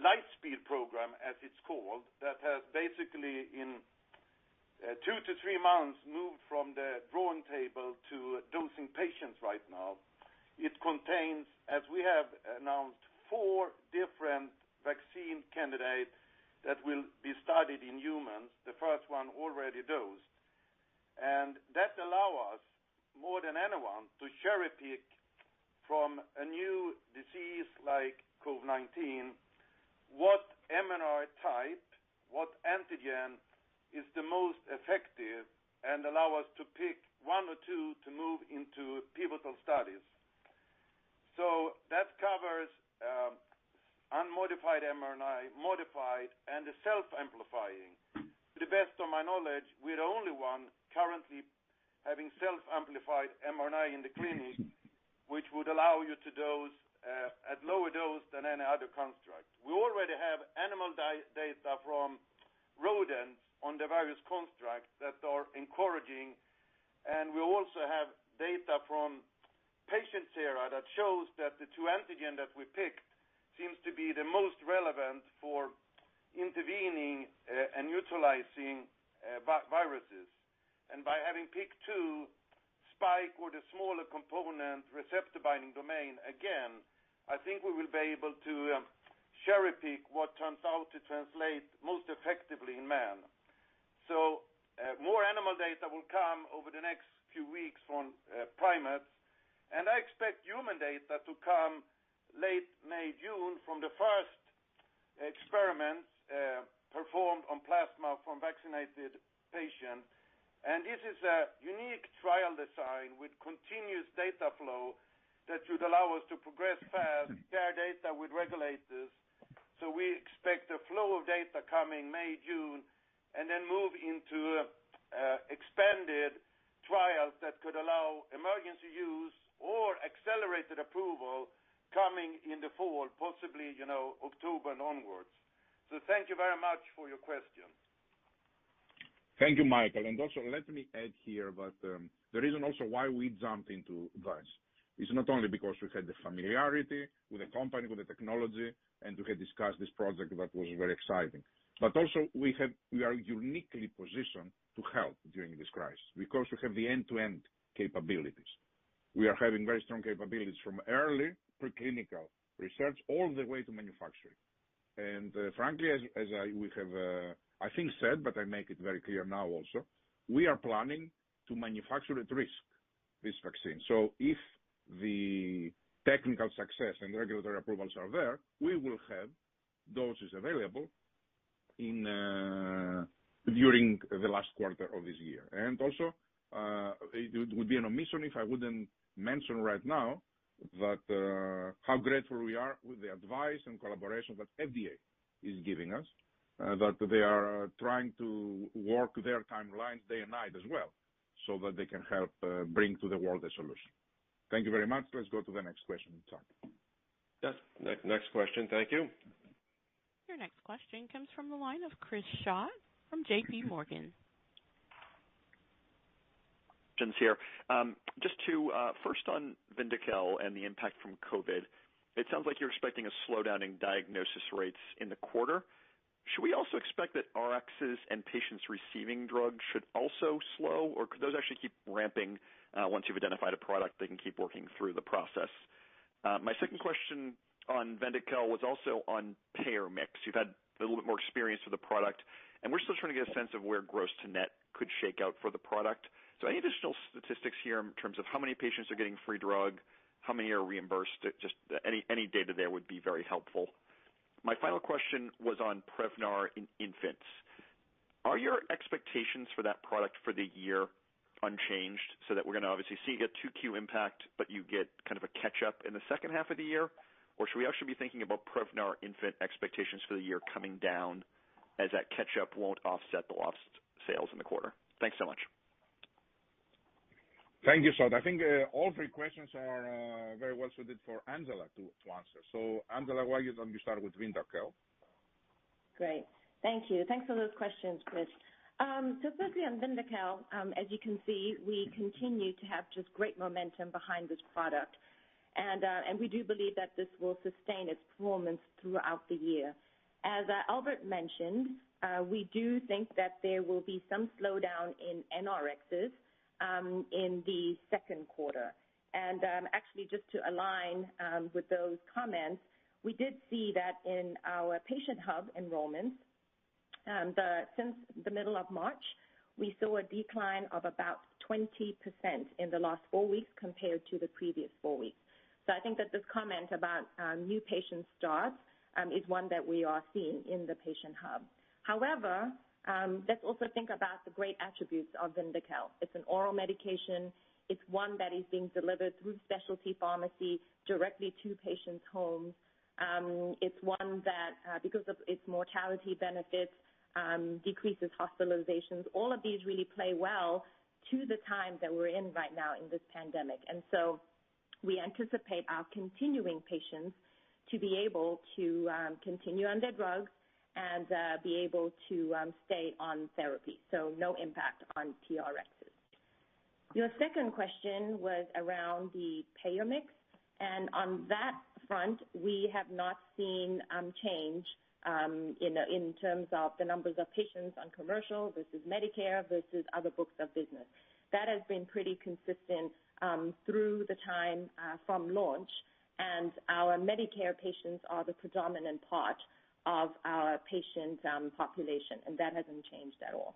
Lightspeed program, as it's called, that has basically in two to three months moved from the drawing table to dosing patients right now. It contains, as we have announced, four different vaccine candidates that will be studied in humans, the first one already dosed. That allow us more than anyone to cherry-pick from a new disease like COVID-19, what mRNA type, what antigen is the most effective and allow us to pick one or two to move into pivotal studies. That covers unmodified mRNA, modified, and the self-amplifying. To the best of my knowledge, we're the only one currently having self-amplified mRNA in the clinic, which would allow you to dose at lower dose than any other construct. We already have animal data from rodents on the various constructs that are encouraging, and we also have data from patient sera that shows that the two antigen that we picked seems to be the most relevant for intervening and neutralizing viruses. By having picked two spike with the smaller component receptor binding domain, again, I think we will be able to cherry-pick what turns out to translate most effectively in man. More animal data will come over the next few weeks from primates, and I expect human data to come late May, June from the first experiments performed on plasma from vaccinated patients. This is a unique trial design with continuous data flow that should allow us to progress fast, share data with regulators. We expect a flow of data coming May, June, and then move into expanded trials that could allow emergency use or accelerated approval coming in the fall, possibly October onwards. Thank you very much for your questions. Thank you, Mikael. Also let me add here about the reason also why we jumped into this. It's not only because we had the familiarity with the company, with the technology, and we had discussed this project that was very exciting. Also, we are uniquely positioned to help during this crisis because we have the end-to-end capabilities. We are having very strong capabilities from early preclinical research all the way to manufacturing. Frankly, as we have, I think said, but I make it very clear now also, we are planning to manufacture at risk this vaccine. If the technical success and regulatory approvals are there, we will have doses available during the last quarter of this year. Also, it would be an omission if I wouldn't mention right now how grateful we are with the advice and collaboration that FDA is giving us, that they are trying to work their timelines day and night as well, so that they can help bring to the world a solution. Thank you very much. Let's go to the next question in turn. Yes. Next question. Thank you. Your next question comes from the line of Chris Schott from JPMorgan. Just to first on VYNDAQEL and the impact from COVID, it sounds like you're expecting a slowdown in diagnosis rates in the quarter. Should we also expect that Rxs and patients receiving drugs should also slow, or could those actually keep ramping once you've identified a product, they can keep working through the process? My second question on VYNDAQEL was also on payer mix. You've had a little bit more experience with the product, and we're still trying to get a sense of where gross to net could shake out for the product. Any additional statistics here in terms of how many patients are getting free drug, how many are reimbursed? Just any data there would be very helpful. My final question was on Prevnar in infants. Are your expectations for that product for the year unchanged, so that we're going to obviously see you get 2Q impact, but you get kind of a catch-up in the second half of the year? Should we actually be thinking about Prevnar infant expectations for the year coming down as that catch-up won't offset the lost sales in the quarter? Thanks so much. Thank you, Schott. I think all three questions are very well suited for Angela to answer. Angela, why don't you start with VYNDAQEL? Great. Thank you. Thanks for those questions, Chris. Firstly on VYNDAQEL, as you can see, we continue to have just great momentum behind this product. We do believe that this will sustain its performance throughout the year. As Albert mentioned, we do think that there will be some slowdown in NRxs in the second quarter. Actually just to align with those comments, we did see that in our patient hub enrollments, since the middle of March, we saw a decline of about 20% in the last four weeks compared to the previous four weeks. I think that this comment about new patient starts is one that we are seeing in the patient hub. However, let's also think about the great attributes of VYNDAQEL. It's an oral medication. It's one that is being delivered through specialty pharmacy directly to patients' homes. It's one that because of its mortality benefits, decreases hospitalizations. All of these really play well to the time that we're in right now in this pandemic. We anticipate our continuing patients to be able to continue on their drugs and be able to stay on therapy. No impact on TRxs. Your second question was around the payer mix, and on that front, we have not seen change in terms of the numbers of patients on commercial versus Medicare versus other books of business. That has been pretty consistent through the time from launch and our Medicare patients are the predominant part of our patient population, and that hasn't changed at all.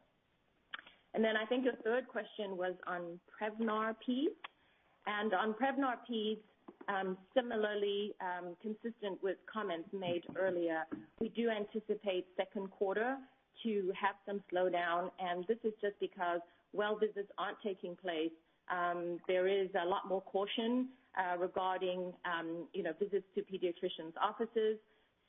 I think your third question was on Prevnar peds. On Prevnar peds, similarly, consistent with comments made earlier, we do anticipate second quarter to have some slowdown and this is just because well visits aren't taking place. There is a lot more caution regarding visits to pediatricians' offices.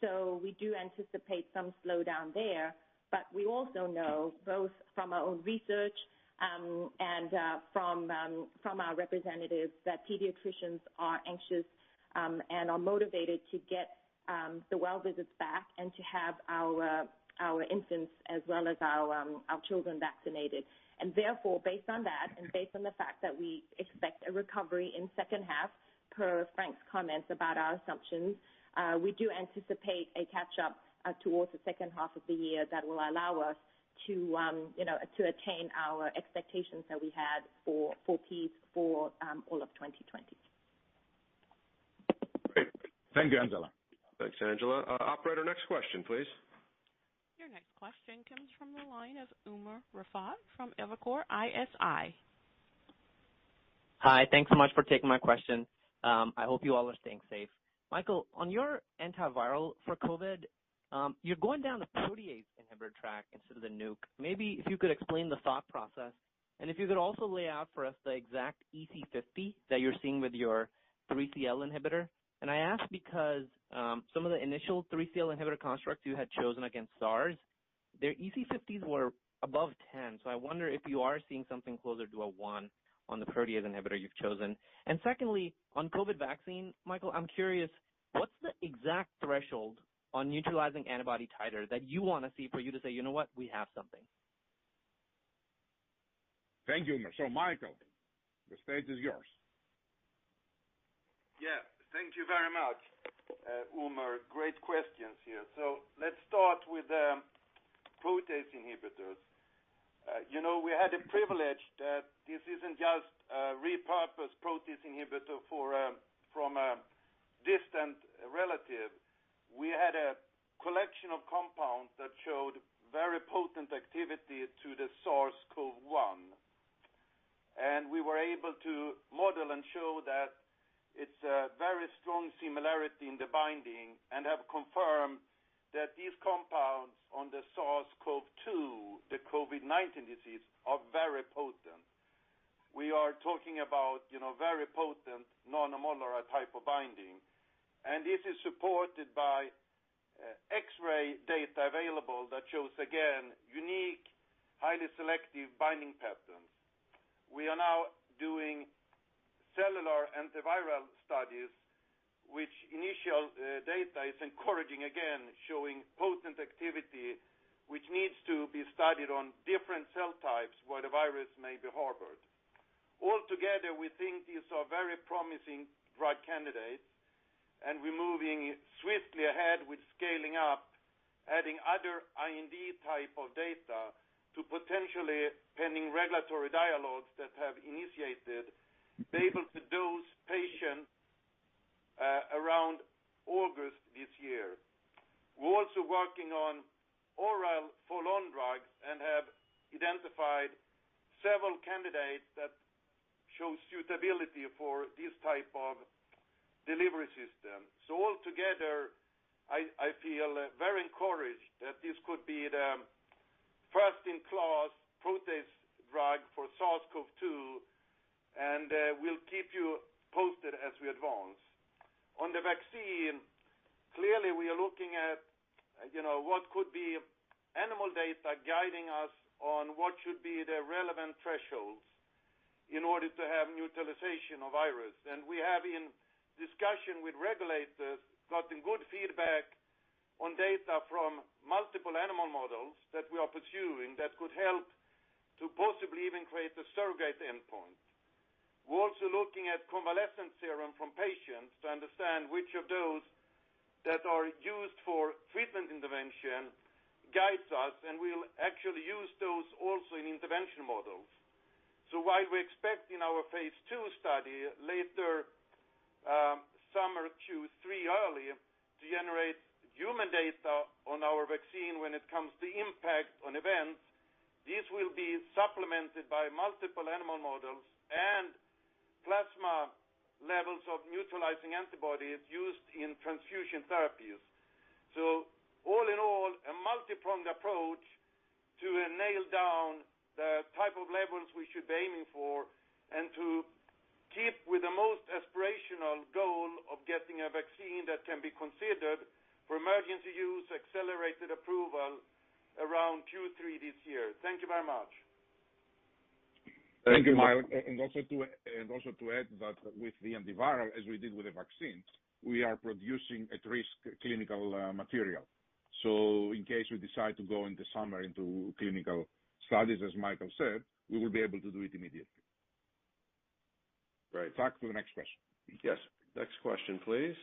We do anticipate some slowdown there, but we also know both from our own research, and from our representatives that pediatricians are anxious and are motivated to get the well visits back and to have our infants as well as our children vaccinated. Therefore, based on that and based on the fact that we expect a recovery in second half per Frank's comments about our assumptions, we do anticipate a catch-up towards the second half of the year that will allow us to attain our expectations that we had for peds for all of 2020. Great. Thank you, Angela. Thanks, Angela. Operator, next question, please. Your next question comes from the line of Umer Raffat from Evercore ISI. Hi, thanks so much for taking my question. I hope you all are staying safe. Mikael, on your antiviral for COVID, you're going down the protease inhibitor track instead of the NUC. If you could explain the thought process and if you could also lay out for us the exact EC50 that you're seeing with your 3CL inhibitor. I ask because some of the initial 3CL inhibitor constructs you had chosen against SARS, their EC50s were above 10. I wonder if you are seeing something closer to a one on the protease inhibitor you've chosen. Secondly, on COVID vaccine, Mikael, I'm curious, what's the exact threshold on neutralizing antibody titer that you want to see for you to say, "You know what? We have something. Thank you, Umer. Mikael, the stage is yours. Thank you very much, Umer. Great questions here. Let's start with the protease inhibitors. We had a privilege that this isn't just a repurposed protease inhibitor from a distant relative. We had a collection of compounds that showed very potent activities through the SARS-CoV-1, and we were able to model and show that it's a very strong similarity in the binding and have confirmed that these compounds on the SARS-CoV-2, the COVID-19 disease, are very potent. We are talking about very potent nanomolar type of binding. This is supported by X-ray data available that shows again, unique, highly selective binding patterns. We are now doing cellular antiviral studies which initial data is encouraging again, showing potent activity which needs to be studied on different cell types where the virus may be harbored. Altogether, we think these are very promising drug candidates and we're moving swiftly ahead with scaling up adding other IND type of data to potentially pending regulatory dialogues that have initiated to be able to dose patients around August this year. We're also working on oral follow-on drugs and have identified several candidates that show suitability for this type of delivery system. Altogether, I feel very encouraged that this could be the first-in-class protease drug for SARS-CoV-2 and we'll keep you posted as we advance. On the vaccine. Clearly, we are looking at what could be animal data guiding us on what should be the relevant thresholds in order to have neutralization of virus. We have, in discussion with regulators, gotten good feedback on data from multiple animal models that we are pursuing that could help to possibly even create a surrogate endpoint. We're also looking at convalescent serum from patients to understand which of those that are used for treatment intervention guides us, and we'll actually use those also in intervention models. While we expect in our phase II study later summer Q3 early to generate human data on our vaccine when it comes to impact on events, these will be supplemented by multiple animal models and plasma levels of neutralizing antibodies used in transfusion therapies. All in all, a multipronged approach to nail down the type of levels we should be aiming for and to keep with the most aspirational goal of getting a vaccine that can be considered for emergency use, accelerated approval around Q3 this year. Thank you very much. Thank you, Mikael. Also to add that with the antiviral, as we did with the vaccines, we are producing at-risk clinical material. In case we decide to go in the summer into clinical studies, as Mikael said, we will be able to do it immediately. Right. Back to the next question. Yes. Next question, please.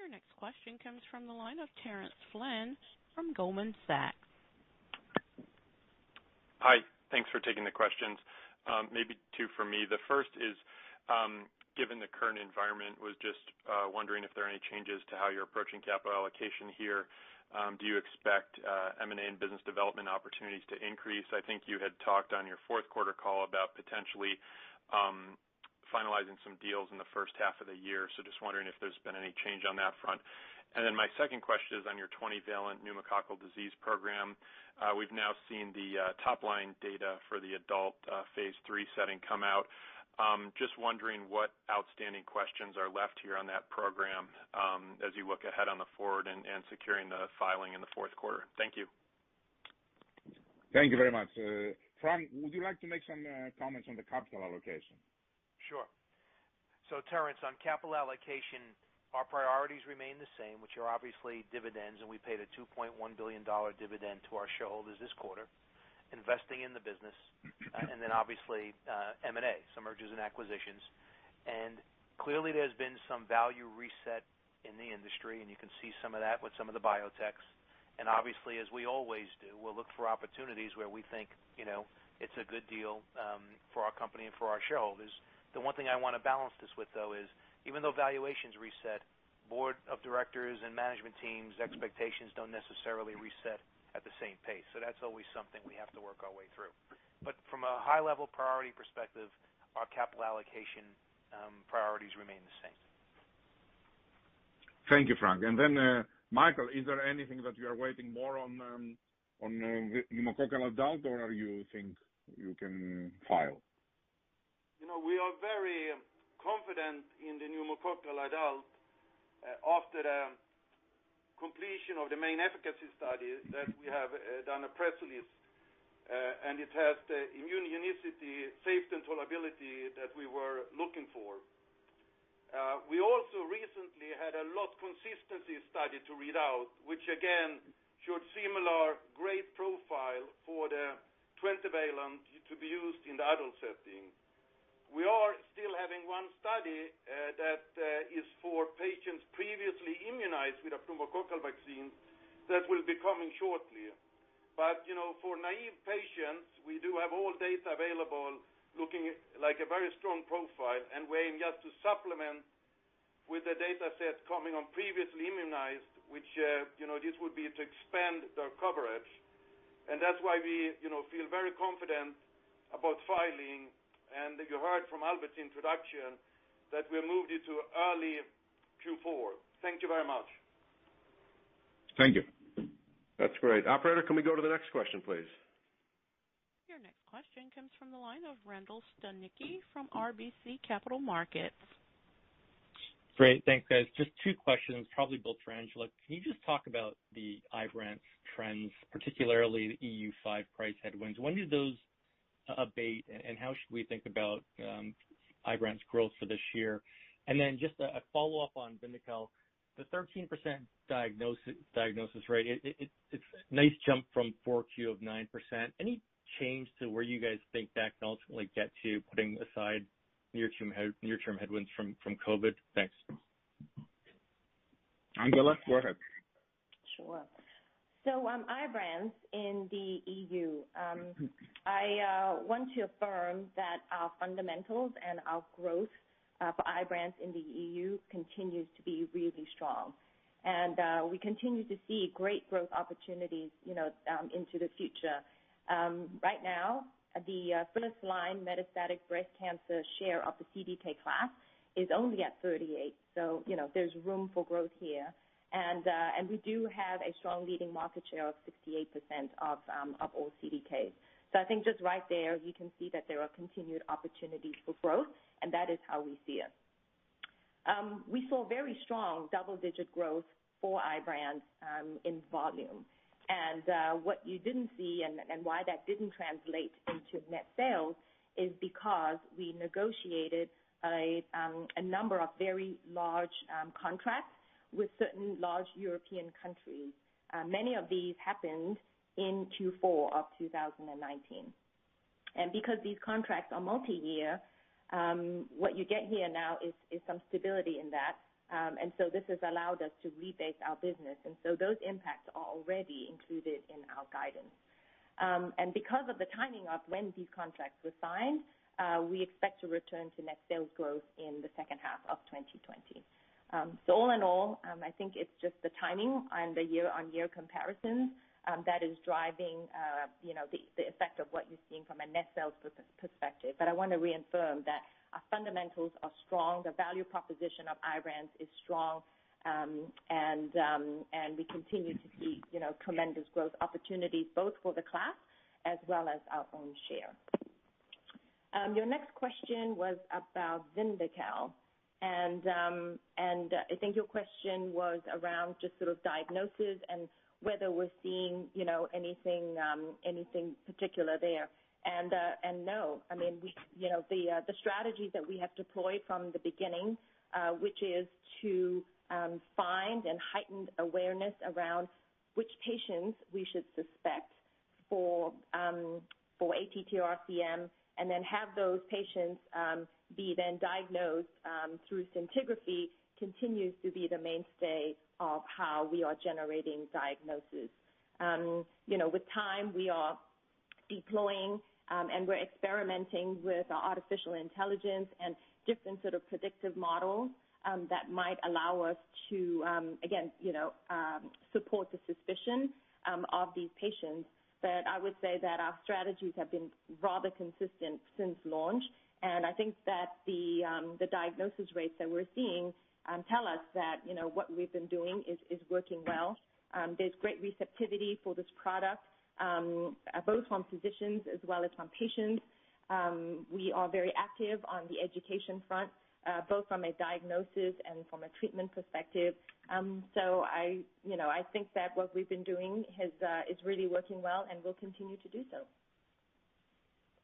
Your next question comes from the line of Terence Flynn from Goldman Sachs. Hi. Thanks for taking the questions. Maybe two from me. The first is, given the current environment, was just wondering if there are any changes to how you're approaching capital allocation here. Do you expect M&A and business development opportunities to increase? I think you had talked on your fourth quarter call about potentially finalizing some deals in the first half of the year. Just wondering if there's been any change on that front. My second question is on your 20-valent pneumococcal disease program. We've now seen the top-line data for the adult phase III setting come out. Wondering what outstanding questions are left here on that program as you look ahead on the forward and securing the filing in the fourth quarter. Thank you. Thank you very much. Frank, would you like to make some comments on the capital allocation? Sure. Terence, on capital allocation, our priorities remain the same, which are obviously dividends, we paid a $2.1 billion dividend to our shareholders this quarter, investing in the business, obviously M&A, some mergers and acquisitions. Clearly there's been some value reset in the industry, you can see some of that with some of the biotechs. Obviously, as we always do, we'll look for opportunities where we think it's a good deal for our company and for our shareholders. The one thing I want to balance this with, though, is even though valuations reset, Board of Directors and management teams' expectations don't necessarily reset at the same pace. That's always something we have to work our way through. From a high-level priority perspective, our capital allocation priorities remain the same. Thank you, Frank. Mikael, is there anything that you are waiting more on pneumococcal adult, or you think you can file? We are very confident in the pneumococcal adult after the completion of the main efficacy study that we have done a press release, and it has the immunogenicity, safety, and tolerability that we were looking for. We also recently had a lot consistency study to read out, which again showed similar great profile for the 20-valent to be used in the adult setting. We are still having one study that is for patients previously immunized with a pneumococcal vaccine that will be coming shortly. For naive patients, we do have all data available looking like a very strong profile and waiting just to supplement with the data set coming on previously immunized, which this would be to expand their coverage. That's why we feel very confident about filing. You heard from Albert's introduction that we moved it to early Q4. Thank you very much. Thank you. That's great. Operator, can we go to the next question, please? Your next question comes from the line of Randall Stanicky from RBC Capital Markets. Great. Thanks, guys. Just two questions, probably both for Angela. Can you just talk about the IBRANCE trends, particularly the EU5 price headwinds? When do those abate, and how should we think about IBRANCE growth for this year? Just a follow-up on VYNDAQEL, the 13% diagnosis rate, it's a nice jump from 4Q of 9%. Any change to where you guys think that can ultimately get to putting aside near-term headwinds from COVID? Thanks. Angela, go ahead. Sure. On IBRANCE in the EU, I want to affirm that our fundamentals and our growth for IBRANCE in the EU continues to be really strong. We continue to see great growth opportunities into the future. Right now, the first-line metastatic breast cancer share of the CDK class is only at 38%, so there's room for growth here. We do have a strong leading market share of 68% of all CDKs. I think just right there, you can see that there are continued opportunities for growth, and that is how we see it. We saw very strong double-digit growth for IBRANCE in volume. What you didn't see and why that didn't translate into net sales is because we negotiated a number of very large contracts with certain large European countries. Many of these happened in Q4 of 2019. Because these contracts are multi-year, what you get here now is some stability in that. This has allowed us to rebase our business. Those impacts are already included in our guidance. Because of the timing of when these contracts were signed, we expect to return to net sales growth in the second half of 2020. All in all, I think it's just the timing on the year-on-year comparisons that is driving the effect of what you're seeing from a net sales perspective. I want to reaffirm that our fundamentals are strong. The value proposition of IBRANCE is strong. We continue to see tremendous growth opportunities both for the class as well as our own share. Your next question was about VYNDAQEL. I think your question was around just sort of diagnosis and whether we're seeing anything particular there. No, I mean, the strategies that we have deployed from the beginning, which is to find and heighten awareness around which patients we should suspect for ATTR-CM, and then have those patients be then diagnosed through scintigraphy continues to be the mainstay of how we are generating diagnosis. With time, we are deploying, and we're experimenting with artificial intelligence and different sort of predictive models that might allow us to, again, support the suspicion of these patients. I would say that our strategies have been rather consistent since launch, and I think that the diagnosis rates that we're seeing tell us that what we've been doing is working well. There's great receptivity for this product both from physicians as well as from patients. We are very active on the education front both from a diagnosis and from a treatment perspective. I think that what we've been doing is really working well and will continue to do so.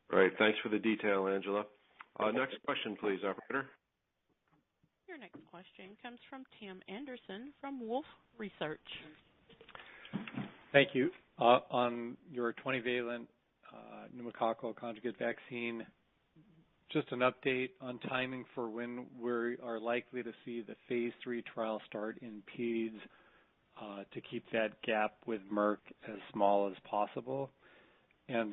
Great. Thanks for the detail, Angela. Next question please, operator. Your next question comes from Tim Anderson from Wolfe Research. Thank you. On your 20-valent pneumococcal conjugate vaccine, just an update on timing for when we are likely to see the phase III trial start in peds to keep that gap with Merck as small as possible. A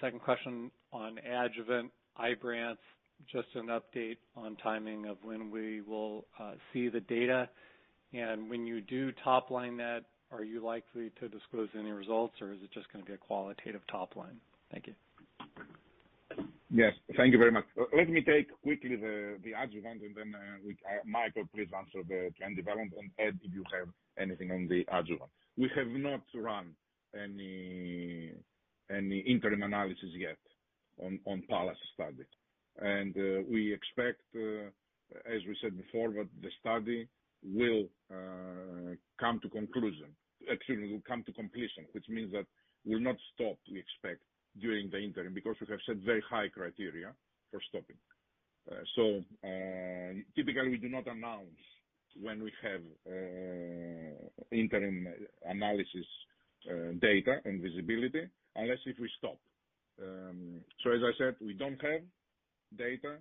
second question on adjuvant IBRANCE, just an update on timing of when we will see the data. When you do top line that, are you likely to disclose any results, or is it just going to be a qualitative top line? Thank you. Yes, thank you very much. Let me take quickly the adjuvant, Mikael, please answer the trend development and add if you have anything on the adjuvant. We have not run any interim analysis yet on PALLAS study. We expect, as we said before, that the study will come to conclusion. Excuse me, will come to completion, which means that we'll not stop, we expect, during the interim, because we have set very high criteria for stopping. Typically, we do not announce when we have interim analysis data and visibility unless if we stop. As I said, we don't have data.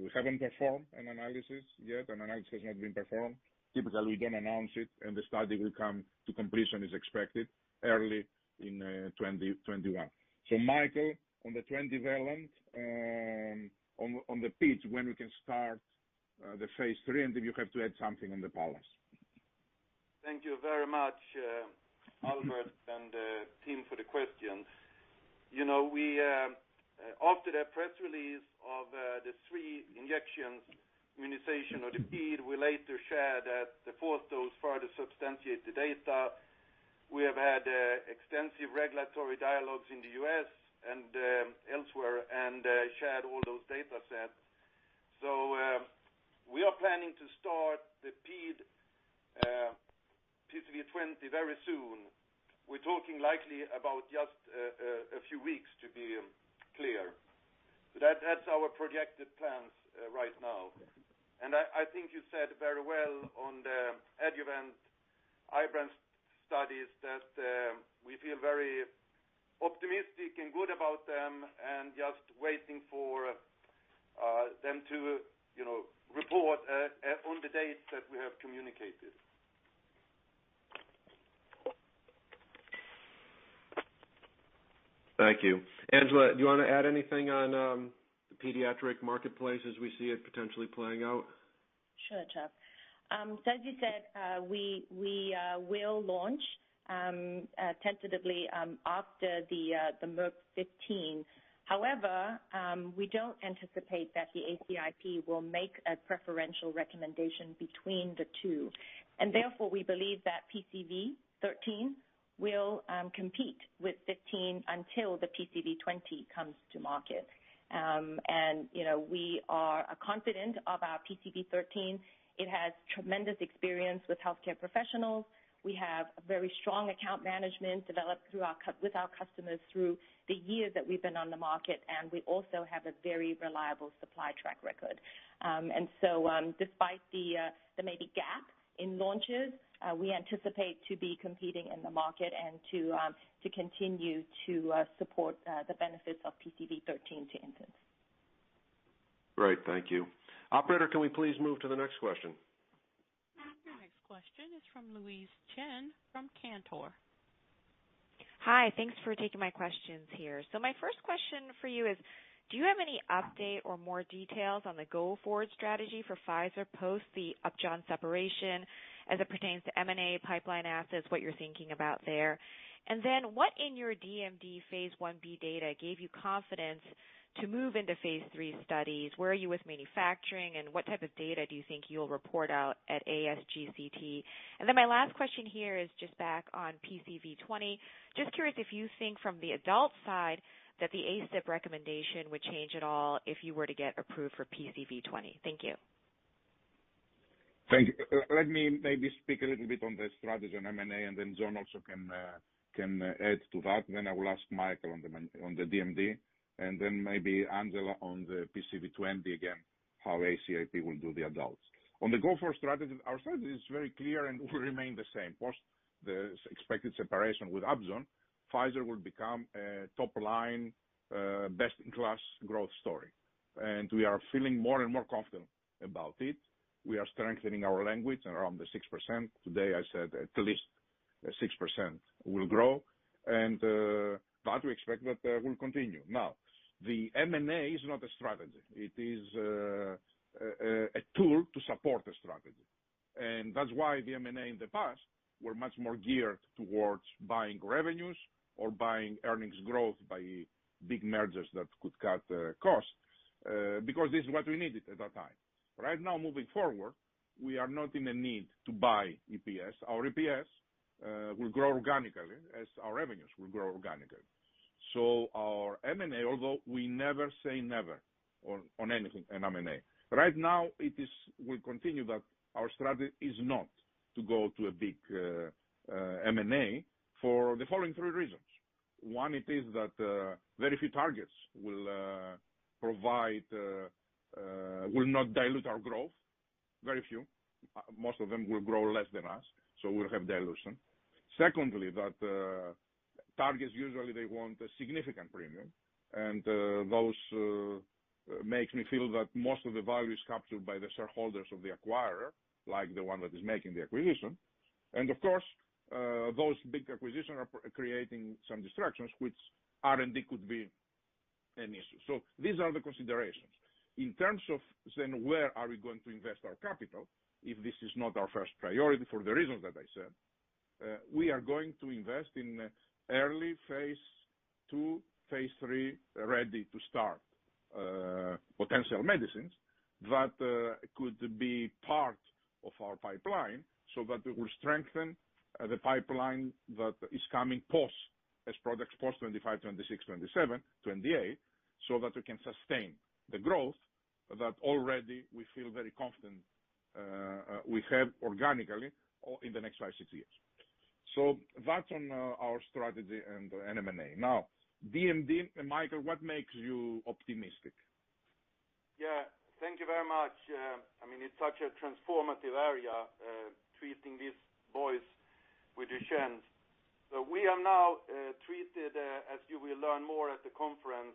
We haven't performed an analysis yet. An analysis has not been performed. Typically, we don't announce it, the study will come to completion, as expected early in 2021. Mikael, on the trend development and on the peds, when we can start the phase III, and if you have to add something on the PALLAS? Thank you very much, Albert and Tim, for the question. After the press release of the three injections immunization or the peds, we later shared that the fourth dose further substantiate the data. We have had extensive regulatory dialogues in the U.S. and elsewhere and shared all those data sets. We are planning to start the ped PCV20 very soon. We're talking likely about just a few weeks to be clear. That's our projected plans right now. I think you said very well on the adjuvant IBRANCE studies that we feel very optimistic and good about them and just waiting for them to report on the dates that we have communicated. Thank you. Angela, do you want to add anything on the pediatric marketplace as we see it potentially playing out? Sure, Chuck. As you said, we will launch tentatively after the Merck 15. However, we don't anticipate that the ACIP will make a preferential recommendation between the two. Therefore, we believe that PCV13 will compete with 15 until the PCV20 comes to market. We are confident of our PCV13. It has tremendous experience with healthcare professionals. We have a very strong account management developed with our customers through the years that we've been on the market, and we also have a very reliable supply track record. Despite the maybe gap in launches, we anticipate to be competing in the market and to continue to support the benefits of PCV13 to infants. Great. Thank you. Operator, can we please move to the next question? The next question is from Louise Chen from Cantor. Hi. Thanks for taking my questions here. My first question for you is, do you have any update or more details on the go-forward strategy for Pfizer post the Upjohn separation as it pertains to M&A pipeline assets, what you're thinking about there? What in your DMD phase I-B data gave you confidence to move into phase III studies? Where are you with manufacturing, and what type of data do you think you'll report out at ASGCT? My last question here is just back on PCV20. Just curious if you think from the adult side that the ACIP recommendation would change at all if you were to get approved for PCV20. Thank you. Thank you. Let me maybe speak a little bit on the strategy on M&A. Then John also can add to that. I will ask Mikael on the DMD. Then maybe Angela on the PCV20, again, how ACIP will do the adults. On the go-forward strategy, our strategy is very clear and will remain the same. Post the expected separation with Upjohn, Pfizer will become a top-line, best-in-class growth story. We are feeling more and more confident about it. We are strengthening our language around the 6%. Today, I said at least 6% will grow. That we expect that will continue. Now, the M&A is not a strategy. It is a tool to support a strategy. That's why the M&A in the past were much more geared towards buying revenues or buying earnings growth by big mergers that could cut costs because this is what we needed at that time. Right now, moving forward, we are not in a need to buy EPS. Our EPS will grow organically as our revenues will grow organically. Our M&A, although we never say never on anything in M&A. Right now, we continue that our strategy is not to go to a big M&A for the following three reasons. One, it is that very few targets will not dilute our growth. Very few. Most of them will grow less than us, so we'll have dilution. Secondly, that targets usually they want a significant premium, and those makes me feel that most of the value is captured by the shareholders of the acquirer, like the one that is making the acquisition. Of course, those big acquisition are creating some distractions, which R&D could be an issue. These are the considerations. In terms of then where are we going to invest our capital, if this is not our first priority for the reasons that I said, we are going to invest in early phase II, phase III, ready to start potential medicines that could be part of our pipeline so that it will strengthen the pipeline that is coming post, as products post 2025, 2026, 2027, 2028, so that we can sustain the growth that already we feel very confident we have organically or in the next five, six years. That's on our strategy and M&A. Now, DMD, Mikael, what makes you optimistic? Yeah. Thank you very much. It's such a transformative area, treating these boys with Duchenne's. We have now treated, as you will learn more at the conference,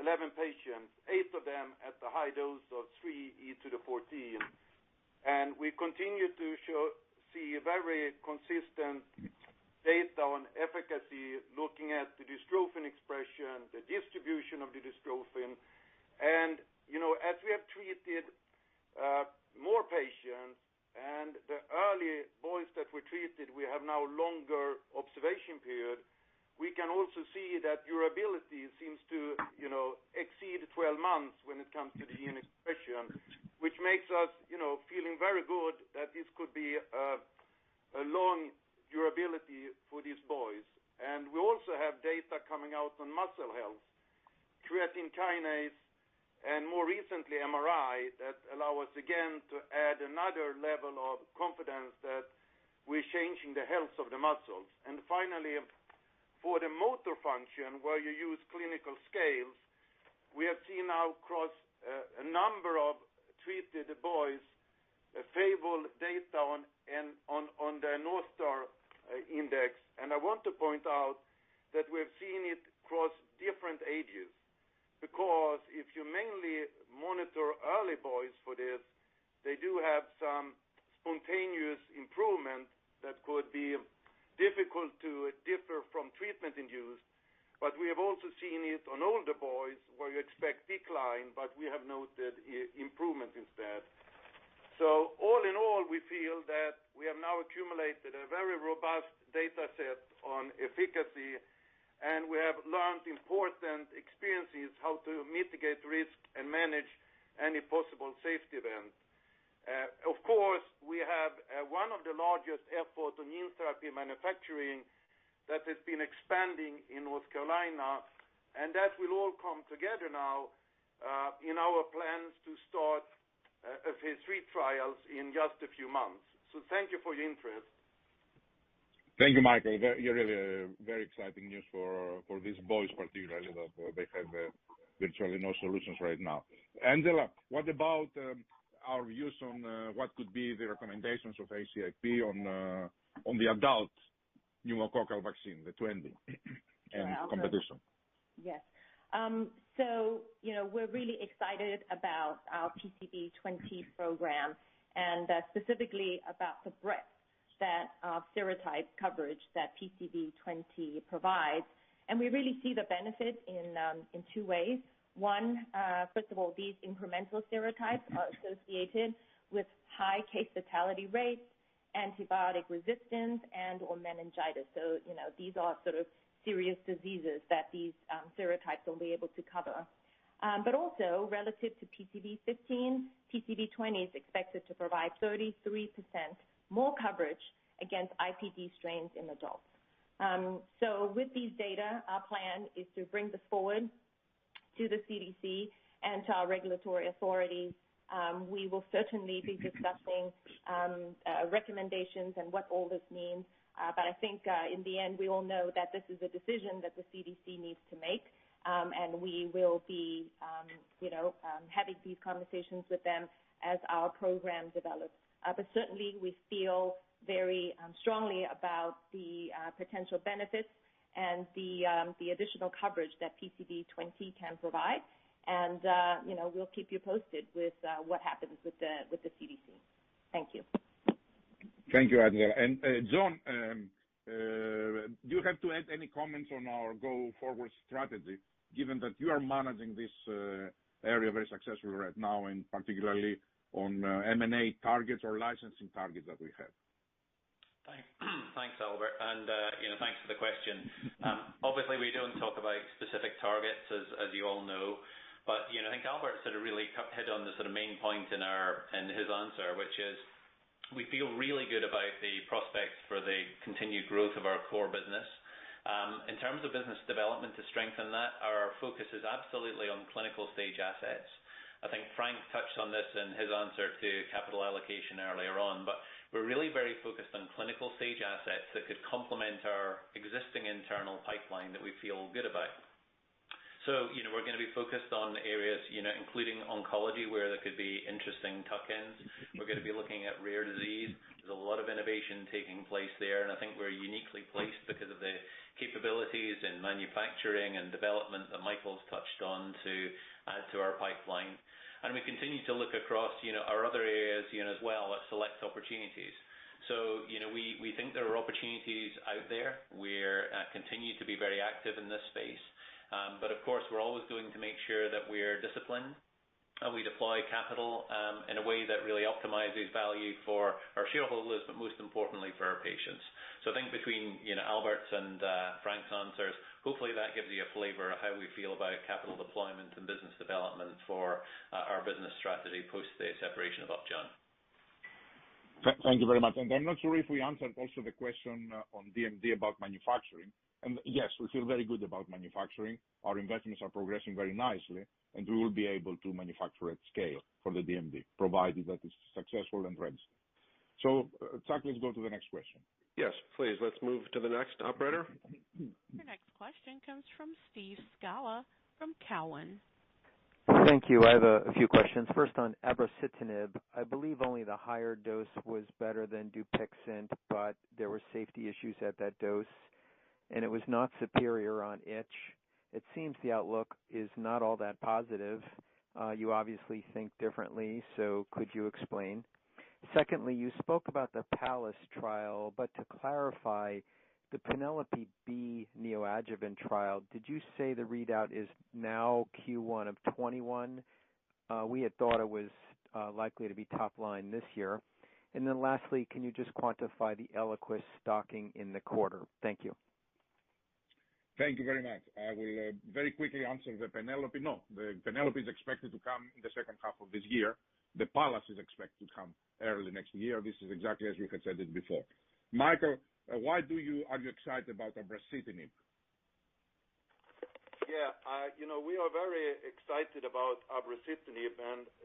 11 patients, eight of them at the high dose of 3E to the 14. We continue to see very consistent data on efficacy, looking at the dystrophin expression, the distribution of the dystrophin. As we have treated more patients and the early boys that we treated, we have now longer observation period. We can also see that durability seems to exceed 12 months when it comes to the gene expression, which makes us feeling very good that this could be a long durability for these boys. We also have data coming out on muscle health, creatine kinase, and more recently, MRI, that allow us again to add another level of confidence that we're changing the health of the muscles. Finally, for the motor function, where you use clinical scales, we have seen now across a number of treated boys, favorable data on the North Star index. I want to point out that we've seen it across different ages. If you mainly monitor early boys for this, they do have some spontaneous improvement that could be difficult to differ from treatment induced, but we have also seen it on older boys where you expect decline, but we have noted improvement instead. All in all, we feel that we have now accumulated a very robust data set on efficacy, and we have learned important experiences how to mitigate risk and manage any possible safety event. Of course, we have one of the largest efforts on gene therapy manufacturing that has been expanding in North Carolina, and that will all come together now in our plans to start a phase III trials in just a few months. Thank you for your interest. Thank you, Mikael. Really very exciting news for these boys particularly, that they have literally no solutions right now. Angela, what about our views on what could be the recommendations of ACIP on the adult pneumococcal vaccine, the 20 and competition? Yes. We're really excited about our PCV20 program, and specifically about the breadth that serotype coverage that PCV20 provides. We really see the benefit in two ways. One, first of all, these incremental serotypes are associated with high case fatality rates, antibiotic resistance, and/or meningitis. These are sort of serious diseases that these serotypes will be able to cover. Also relative to PCV15, PCV20 is expected to provide 33% more coverage against IPD strains in adults. With these data, our plan is to bring this forward to the CDC and to our regulatory authorities. We will certainly be discussing recommendations and what all this means. I think, in the end, we all know that this is a decision that the CDC needs to make. We will be having these conversations with them as our program develops. Certainly we feel very strongly about the potential benefits and the additional coverage that PCV20 can provide. We'll keep you posted with what happens with the CDC. Thank you. Thank you, Angela. John, do you have to add any comments on our go-forward strategy given that you are managing this area very successfully right now, and particularly on M&A targets or licensing targets that we have? Thanks, Albert, and thanks for the question. Obviously, we don't talk about specific targets, as you all know. I think Albert sort of really hit on the sort of main point in his answer, which is we feel really good about the prospects for the continued growth of our core business. In terms of business development to strengthen that, our focus is absolutely on clinical stage assets. I think Frank touched on this in his answer to capital allocation earlier on, but we're really very focused on clinical stage assets that could complement our existing internal pipeline that we feel good about. We're going to be focused on areas including oncology, where there could be interesting tuck-ins. We're going to be looking at rare disease. There's a lot of innovation taking place there. I think we're uniquely placed because of the capabilities in manufacturing and development that Mikael's touched on to add to our pipeline. We continue to look across our other areas as well at select opportunities. We think there are opportunities out there. We continue to be very active in this space. Of course, we're always going to make sure that we're disciplined, and we deploy capital in a way that really optimizes value for our shareholders, but most importantly for our patients. I think between Albert's and Frank's answers, hopefully that gives you a flavor of how we feel about capital deployment and business development for our business strategy post the separation of Upjohn. Thank you very much. I'm not sure if we answered also the question on DMD about manufacturing. Yes, we feel very good about manufacturing. Our investments are progressing very nicely, and we will be able to manufacture at scale for the DMD, provided that it's successful in trials. Chuck, let's go to the next question. Yes, please. Let's move to the next, operator. Your next question comes from Steve Scala from Cowen. Thank you. I have a few questions. First on abrocitinib, I believe only the higher dose was better than Dupixent, there were safety issues at that dose, and it was not superior on itch. It seems the outlook is not all that positive. You obviously think differently, could you explain? Secondly, you spoke about the PALLAS trial, to clarify the PENELOPE-B neoadjuvant trial, did you say the readout is now Q1 of 2021? We had thought it was likely to be top line this year. Lastly, can you just quantify the ELIQUIS stocking in the quarter? Thank you. Thank you very much. I will very quickly answer the PENELOPE. No, the PENELOPE is expected to come in the second half of this year. The PALLAS is expected to come early next year. This is exactly as we had said it before. Mikael, why are you excited about abrocitinib? Yeah. We are very excited about abrocitinib.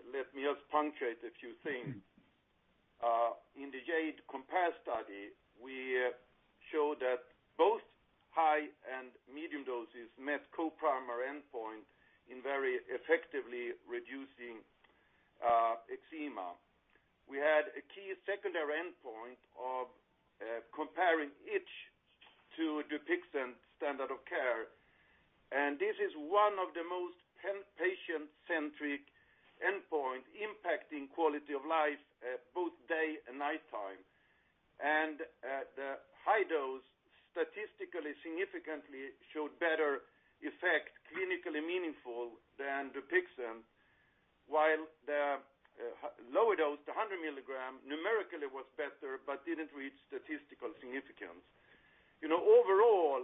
Let me just punctuate a few things. In the JADE COMPARE study, we showed that both high and medium doses met co-primary endpoint in very effectively reducing eczema. We had a key secondary endpoint of comparing itch to Dupixent standard of care. This is one of the most patient-centric endpoint impacting quality of life at both day and nighttime. The high dose statistically significantly showed better effect, clinically meaningful than Dupixent. While the lower dose, the 100 mg, numerically was better but didn't reach statistical significance. Overall,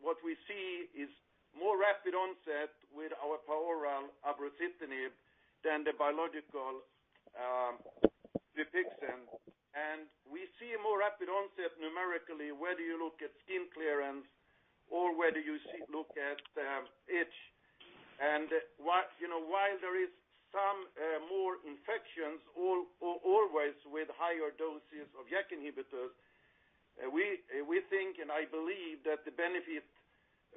what we see is more rapid onset with our oral abrocitinib than the biological Dupixent. We see a more rapid onset numerically, whether you look at skin clearance or whether you look at itch. While there is some more infections, always with higher doses of JAK inhibitors, we think and I believe that the benefit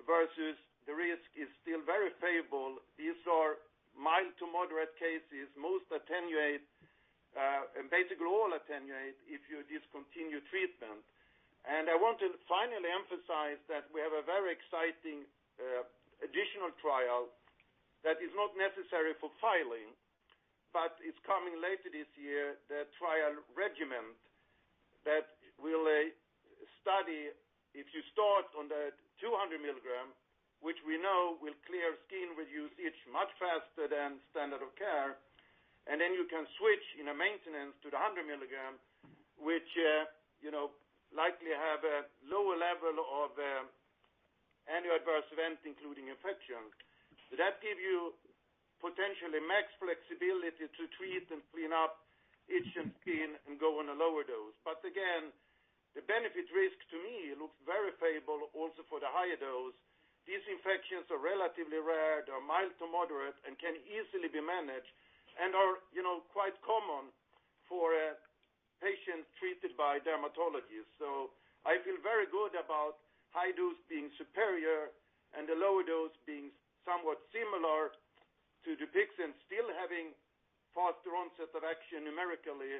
versus the risk is still very favorable. These are mild to moderate cases, most attenuate and basically all attenuate if you discontinue treatment. I want to finally emphasize that we have a very exciting additional trial that is not necessary for filing, but it's coming later this year, the trial regimen that will study if you start on the 200 mg, which we know will clear skin, reduce itch much faster than standard of care, and then you can switch in a maintenance to the 100 mg, which likely have a lower level of any adverse event, including infection. That give you potentially max flexibility to treat and clean up itch and skin and go on a lower dose. Again, the benefit risk to me looks very favorable also for the higher dose. These infections are relatively rare, they're mild to moderate and can easily be managed and are quite common for a patient treated by dermatology. I feel very good about high dose being superior and the lower dose being somewhat similar to Dupixent, still having faster onset of action numerically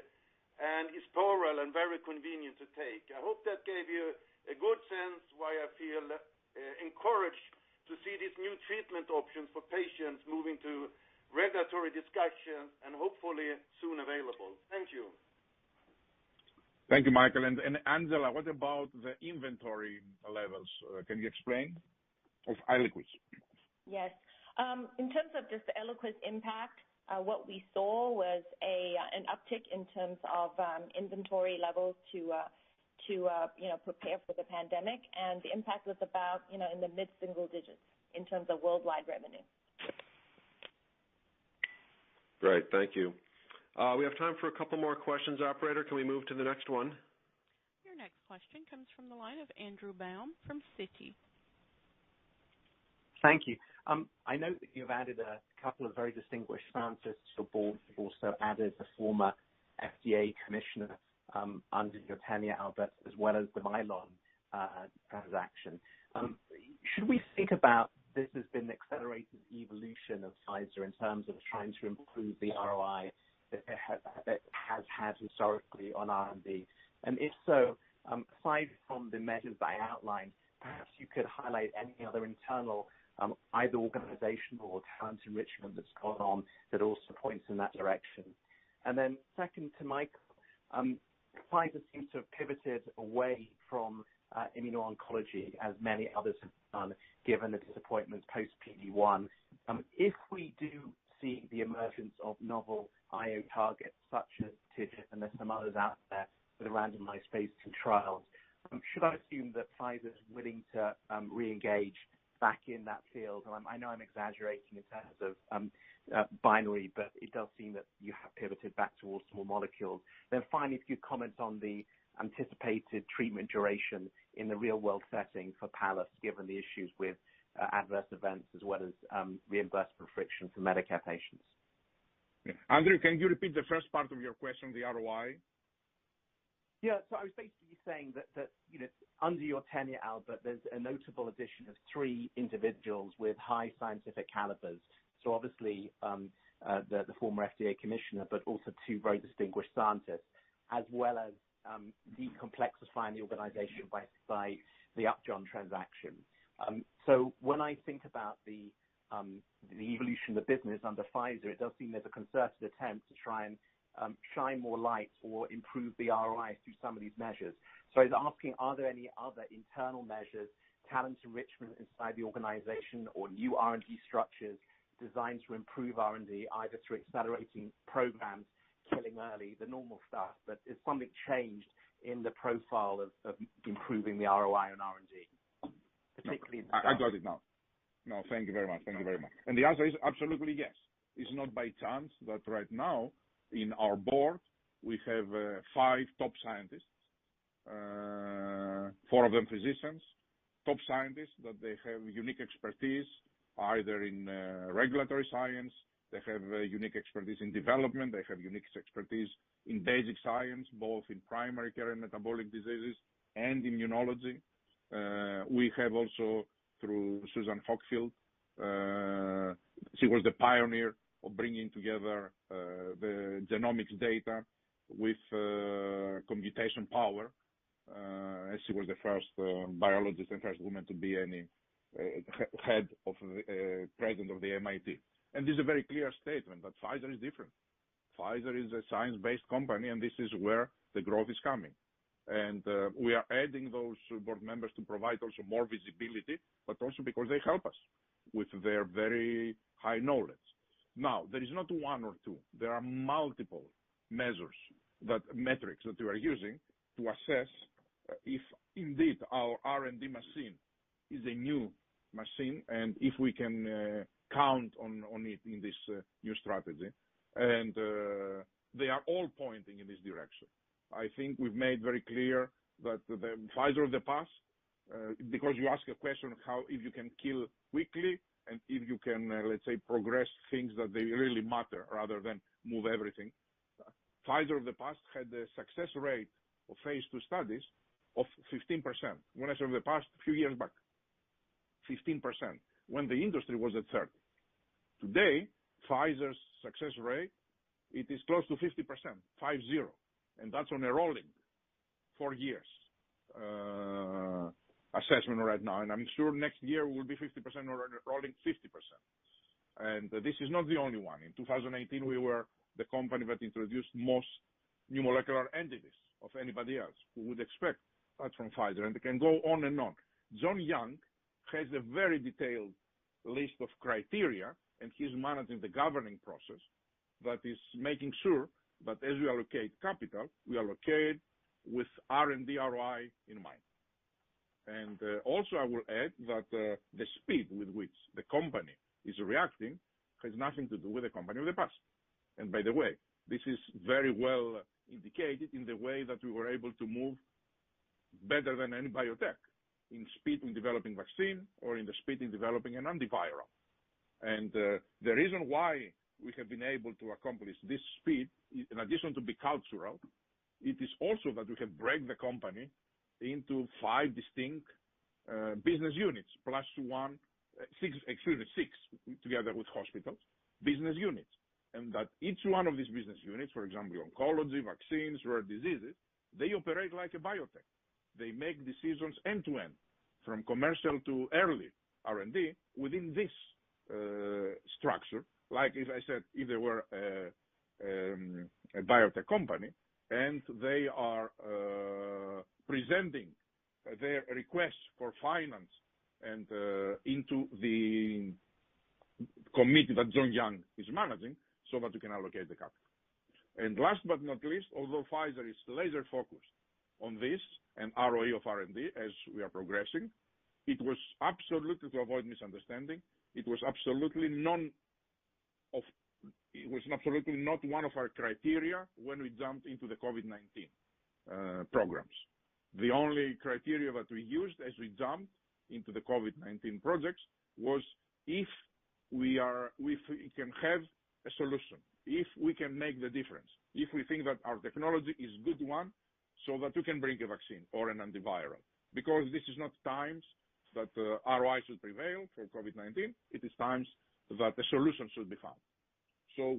and is oral and very convenient to take. I hope that gave you a good sense why I feel encouraged to see these new treatment options for patients moving to regulatory discussion and hopefully soon available. Thank you. Thank you, Mikael. Angela, what about the inventory levels? Can you explain, of ELIQUIS? Yes. In terms of just the ELIQUIS impact, what we saw was an uptick in terms of inventory levels to prepare for the pandemic. The impact was about in the mid-single digits in terms of worldwide revenue. Great. Thank you. We have time for a couple more questions. Operator, can we move to the next one? Your next question comes from the line of Andrew Baum from Citi. Thank you. I note that you've added a couple of very distinguished scientists to the board. You've also added the former FDA commissioner under your tenure, Albert, as well as the Mylan transaction. Should we think about this as being an accelerated evolution of Pfizer in terms of trying to improve the ROI that it has had historically on R&D? If so, aside from the measures that I outlined, perhaps you could highlight any other internal, either organizational or talent enrichment that's gone on that also points in that direction. Second, to Mikael, Pfizer seems to have pivoted away from immuno-oncology as many others have done, given the disappointments post-PD-1. If we do see the emergence of novel IO targets such as hit the SMOs out there with randomized phase II trials, should I assume that Pfizer is willing to re-engage back in that field? I know I'm exaggerating in terms of binary, but it does seem that you have pivoted back towards small molecules. Finally, if you'd comment on the anticipated treatment duration in the real-world setting for PALLAS, given the issues with adverse events as well as reimbursement friction for Medicare patients. Andrew, can you repeat the first part of your question, the ROI? Yeah. I was basically saying that under your tenure, Albert, there's a notable addition of three individuals with high scientific calibers. Obviously, the former FDA commissioner, but also two very distinguished scientists, as well as de-complexifying the organization by the Upjohn transaction. When I think about the evolution of the business under Pfizer, it does seem there's a concerted attempt to try and shine more light or improve the ROI through some of these measures. I was asking, are there any other internal measures, talent enrichment inside the organization or new R&D structures designed to improve R&D, either through accelerating programs, killing early, the normal stuff. Has something changed in the profile of improving the ROI on R&D, particularly- I got it now. No, thank you very much. Thank you very much. The answer is absolutely yes. It's not by chance that right now in our board, we have five top scientists, four of them physicians. Top scientists, that they have unique expertise either in regulatory science, they have a unique expertise in development, they have unique expertise in basic science, both in primary care and metabolic diseases and immunology. We have also through Susan Hockfield. She was the pioneer of bringing together the genomics data with computation power. She was the first biologist and first woman to be head of President of the MIT. This is a very clear statement that Pfizer is different. Pfizer is a science-based company. This is where the growth is coming. We are adding those board members to provide also more visibility, but also because they help us with their very high knowledge. There is not one or two. There are multiple metrics that we are using to assess if indeed our R&D machine is a new machine and if we can count on it in this new strategy. They are all pointing in this direction. I think we've made very clear that the Pfizer of the past, because you asked a question if you can kill weekly and if you can, let's say, progress things that they really matter rather than move everything. Pfizer of the past had a success rate of phase II studies of 15%. When I say of the past, a few years back. 15%, when the industry was at 30%. Today, Pfizer's success rate, it is close to 50%, five zero. That's on a rolling four years assessment right now, and I'm sure next year will be 50% on a rolling 50%. This is not the only one. In 2018, we were the company that introduced most new molecular entities of anybody else. We would expect that from Pfizer, and I can go on and on. John Young has a very detailed list of criteria, and he's managing the governing process that is making sure that as we allocate capital, we allocate with R&D ROI in mind. Also I will add that the speed with which the company is reacting has nothing to do with the company of the past. This is very well indicated in the way that we were able to move better than any biotech in speed in developing vaccine or in the speed in developing an antiviral. The reason why we have been able to accomplish this speed, in addition to be cultural, it is also that we have break the company into five distinct business units, plus one, excuse me, six together with hospitals, business units. That each one of these business units, for example, oncology, vaccines, rare diseases, they operate like a biotech. They make decisions end to end, from commercial to early R&D within this structure. Like as I said, if they were a biotech company and they are presenting their request for finance into the committee that John Young is managing so that we can allocate the capital. Last but not least, although Pfizer is laser-focused on this and ROI of R&D as we are progressing, to avoid misunderstanding, it was absolutely not one of our criteria when we jumped into the COVID-19 programs. The only criteria that we used as we jumped into the COVID-19 projects was if we can have a solution, if we can make the difference, if we think that our technology is good one so that we can bring a vaccine or an antiviral. This is not times that ROI should prevail for COVID-19, it is times that a solution should be found.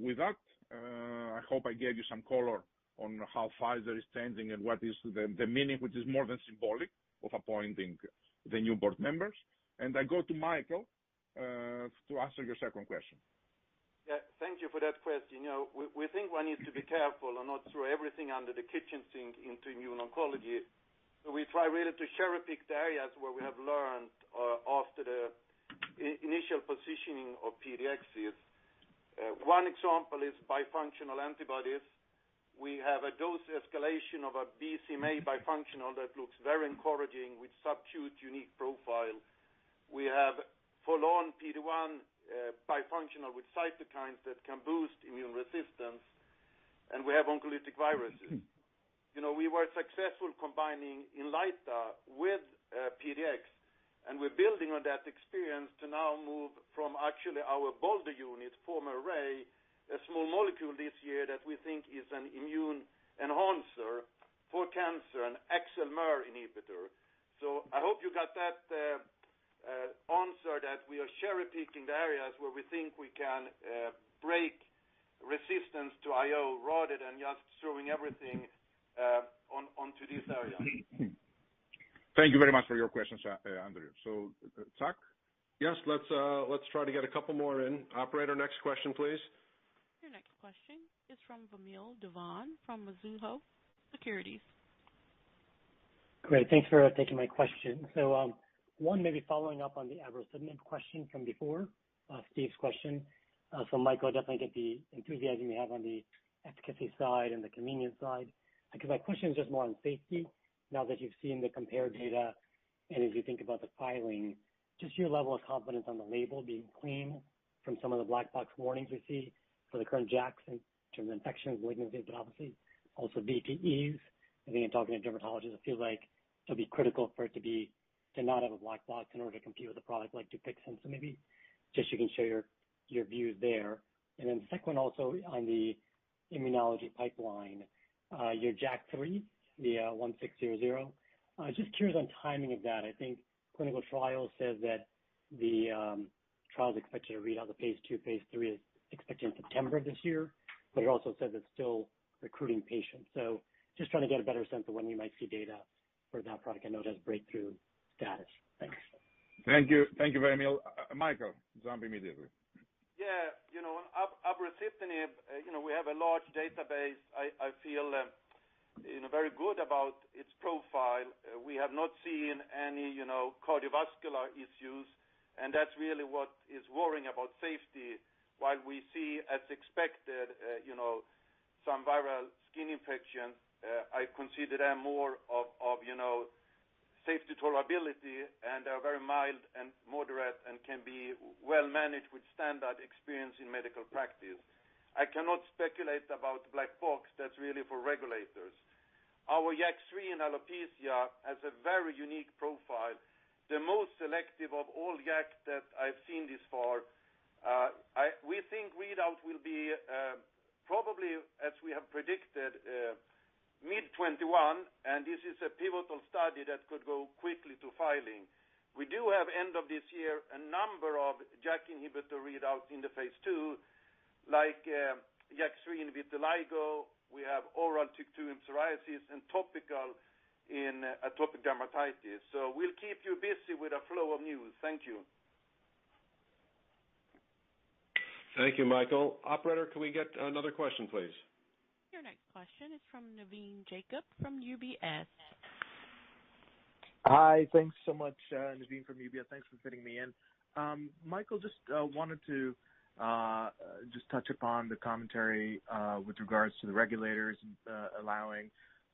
With that, I hope I gave you some color on how Pfizer is changing and what is the meaning, which is more than symbolic of appointing the new board members. I go to Mikael, to answer your second question. Yeah. Thank you for that question. We think one needs to be careful and not throw everything under the kitchen sink into immune oncology. We try really to cherry-pick the areas where we have learned after the initial positioning of PD-1 is. One example is bispecific antibodies. We have a dose escalation of a BCMA bifunctional that looks very encouraging with such a unique profile. We have full on PD-1 bifunctional with cytokines that can boost immune resistance, and we have oncolytic viruses. We were successful combining INLYTA with PDx, and we're building on that experience to now move from actually our Boulder unit, former Array, a small molecule this year that we think is an immune enhancer for cancer, an AXL-MER inhibitor. I hope you got that answer, that we are cherry-picking the areas where we think we can break resistance to IO rather than just throwing everything onto this area. Thank you very much for your questions, Andrew. Chuck? Yes, let's try to get a couple more in. Operator, next question, please. Your next question is from Vamil Divan from Mizuho Securities. Great. Thanks for taking my question. One may be following up on the abrocitinib question from before, Steve's question. Mikael, definitely get the enthusiasm you have on the efficacy side and the convenience side. My question is just more on safety now that you've seen the JADE COMPARE data and as you think about the filing, just your level of confidence on the label being clean from some of the black box warnings we see for the current JAKs in terms of infections, malignancy, also VTEs. I think in talking to dermatologists, it feels like it'll be critical for it to not have a black box in order to compete with a product like Dupixent. Maybe just you can share your views there. Second also on the immunology pipeline, your JAK3, the PF-06651600. Just curious on timing of that. I think clinical trial says that the trial is expected to read out the phase II. Phase III is expected in September of this year. It also says it's still recruiting patients. Just trying to get a better sense of when you might see data for that product I know it has breakthrough status. Thanks. Thank you. Thank you, Vamil. Mikael, jump immediately. Yeah. abrocitinib, we have a large database. I feel very good about its profile. We have not seen any cardiovascular issues, and that's really what is worrying about safety. While we see as expected, some viral skin infections, I consider them more of safety tolerability, and are very mild and moderate and can be well managed with standard experience in medical practice. I cannot speculate about black box. That's really for regulators. Our JAK3 in alopecia has a very unique profile. The most selective of all JAK that I've seen this far. We think readout will be, probably as we have predicted, mid 2021, and this is a pivotal study that could go quickly to filing. We do have end of this year a number of JAK inhibitor readouts in the phase II, like JAK3 in vitiligo. We have oral TYK2 in psoriasis and topical in atopic dermatitis. We'll keep you busy with a flow of news. Thank you. Thank you, Mikael. Operator, can we get another question, please? Your next question is from Navin Jacob from UBS. Hi. Thanks so much. Navin from UBS. Thanks for fitting me in. Mikael, just wanted to just touch upon the commentary, with regards to the regulators allowing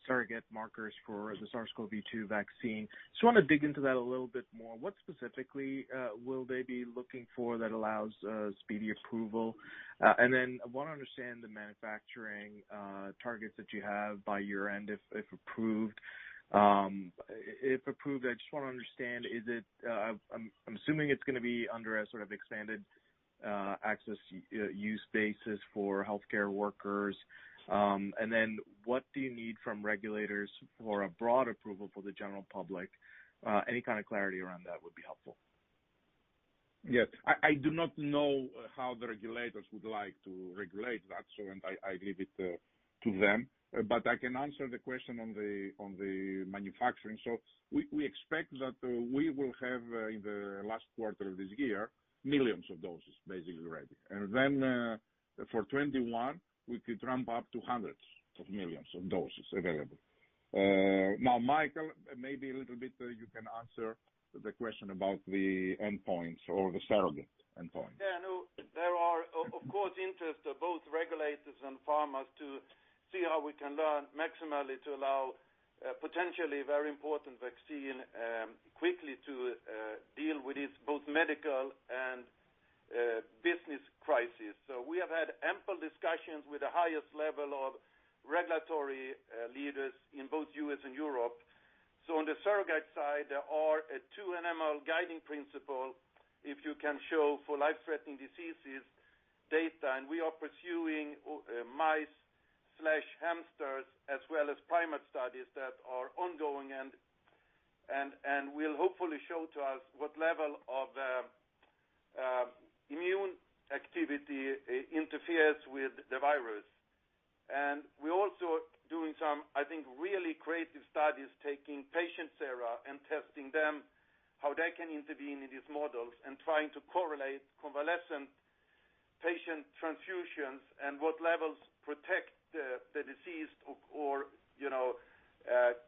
surrogate markers for the SARS-CoV-2 vaccine. Just want to dig into that a little bit more. What specifically will they be looking for that allows speedy approval? I want to understand the manufacturing targets that you have by year-end, if approved. If approved, I just want to understand, I'm assuming it's going to be under a sort of expanded access use basis for healthcare workers. What do you need from regulators for a broad approval for the general public? Any kind of clarity around that would be helpful. Yes. I do not know how the regulators would like to regulate that, so I leave it to them. I can answer the question on the manufacturing. We expect that we will have, in the last quarter of this year, millions of doses basically ready. Then, for 2021, we could ramp up to hundreds of millions of doses available. Now, Mikael, maybe a little bit you can answer the question about the endpoints or the surrogate endpoints. Yeah, no. There are of course interests of both regulators and pharmas to see how we can learn maximally to allow potentially very important vaccine quickly to deal with this, both medical and business crisis. We have had ample discussions with the highest level of regulatory leaders in both U.S. and Europe. On the surrogate side, there are two animal guiding principles if you can show for life-threatening diseases data, and we are pursuing mice/hamsters as well as primate studies that are ongoing and will hopefully show to us what level of immune activity interferes with the virus. We're also doing some, I think, really creative studies taking patient sera and testing them, how they can intervene in these models, and trying to correlate convalescent patient transfusions and what levels protect the diseased or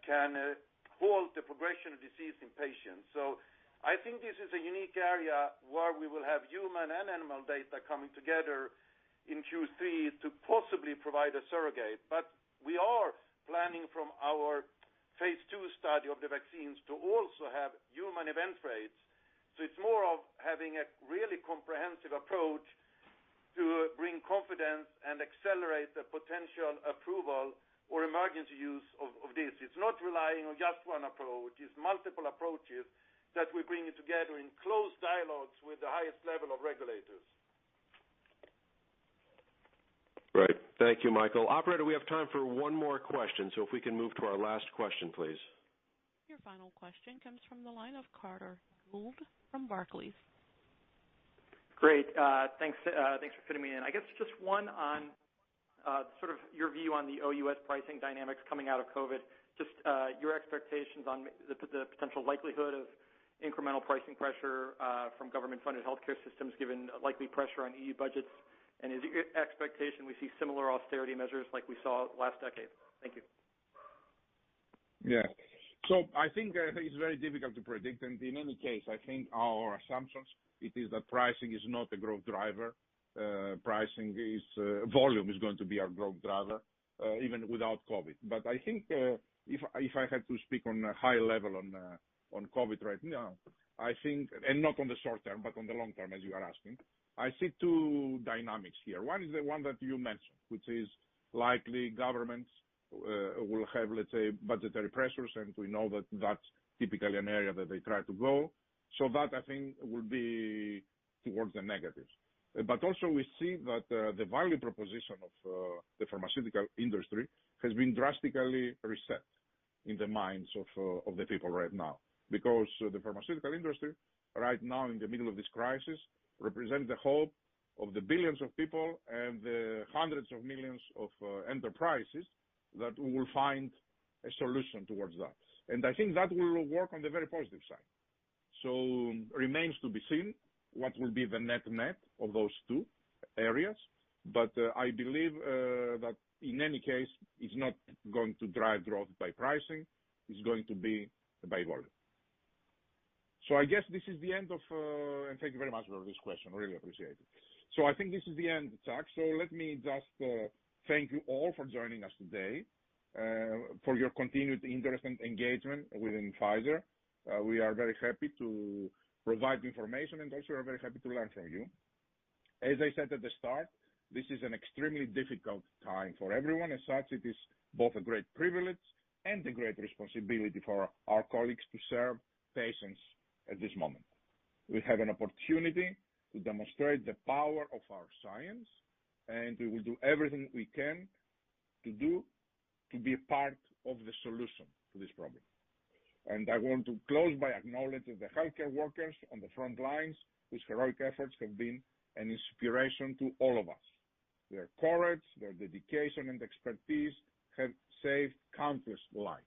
can halt the progression of disease in patients. I think this is a unique area where we will have human and animal data coming together in Q3 to possibly provide a surrogate. We are planning from our phase II study of the vaccines to also have human event rates. It's more of having a really comprehensive approach to bring confidence and accelerate the potential approval or emergency use of this. It's not relying on just one approach. It's multiple approaches that we're bringing together in close dialogues with the highest level of regulators. Right. Thank you, Mikael. Operator, we have time for one more question, so if we can move to our last question, please. Your final question comes from the line of Carter Gould from Barclays. Great. Thanks for fitting me in. I guess just one on sort of your view on the OUS pricing dynamics coming out of COVID. Just your expectations on the potential likelihood of incremental pricing pressure from government-funded healthcare systems, given likely pressure on EU budgets. Is it your expectation we see similar austerity measures like we saw last decade? Thank you. Yeah. I think it's very difficult to predict, and in any case, I think our assumptions, it is that pricing is not a growth driver. Volume is going to be our growth driver, even without COVID. I think if I had to speak on a high level on COVID right now, and not on the short term, but on the long term, as you are asking, I see two dynamics here. One is the one that you mentioned, which is likely governments will have, let's say, budgetary pressures, and we know that that's typically an area that they try to go. That I think will be towards the negatives. Also we see that the value proposition of the pharmaceutical industry has been drastically reset in the minds of the people right now, because the pharmaceutical industry right now in the middle of this crisis represents the hope of the billions of people and the hundreds of millions of enterprises that we will find a solution towards that. I think that will work on the very positive side. Remains to be seen what will be the net of those two areas. I believe that in any case, it's not going to drive growth by pricing, it's going to be by volume. Thank you very much for this question. Really appreciate it. I think this is the end talk. Let me just thank you all for joining us today, for your continued interest and engagement within Pfizer. We are very happy to provide information, also we're very happy to learn from you. As I said at the start, this is an extremely difficult time for everyone. As such, it is both a great privilege and a great responsibility for our colleagues to serve patients at this moment. We have an opportunity to demonstrate the power of our science, we will do everything we can to be a part of the solution to this problem. I want to close by acknowledging the healthcare workers on the front lines, whose heroic efforts have been an inspiration to all of us. Their courage, their dedication, and expertise have saved countless lives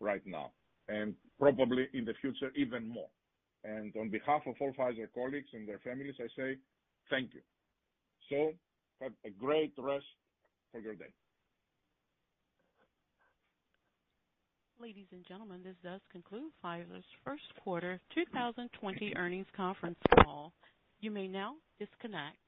right now, and probably in the future, even more. On behalf of all Pfizer colleagues and their families, I say thank you. Have a great rest of your day. Ladies and gentlemen, this does conclude Pfizer's first quarter 2020 earnings conference call. You may now disconnect.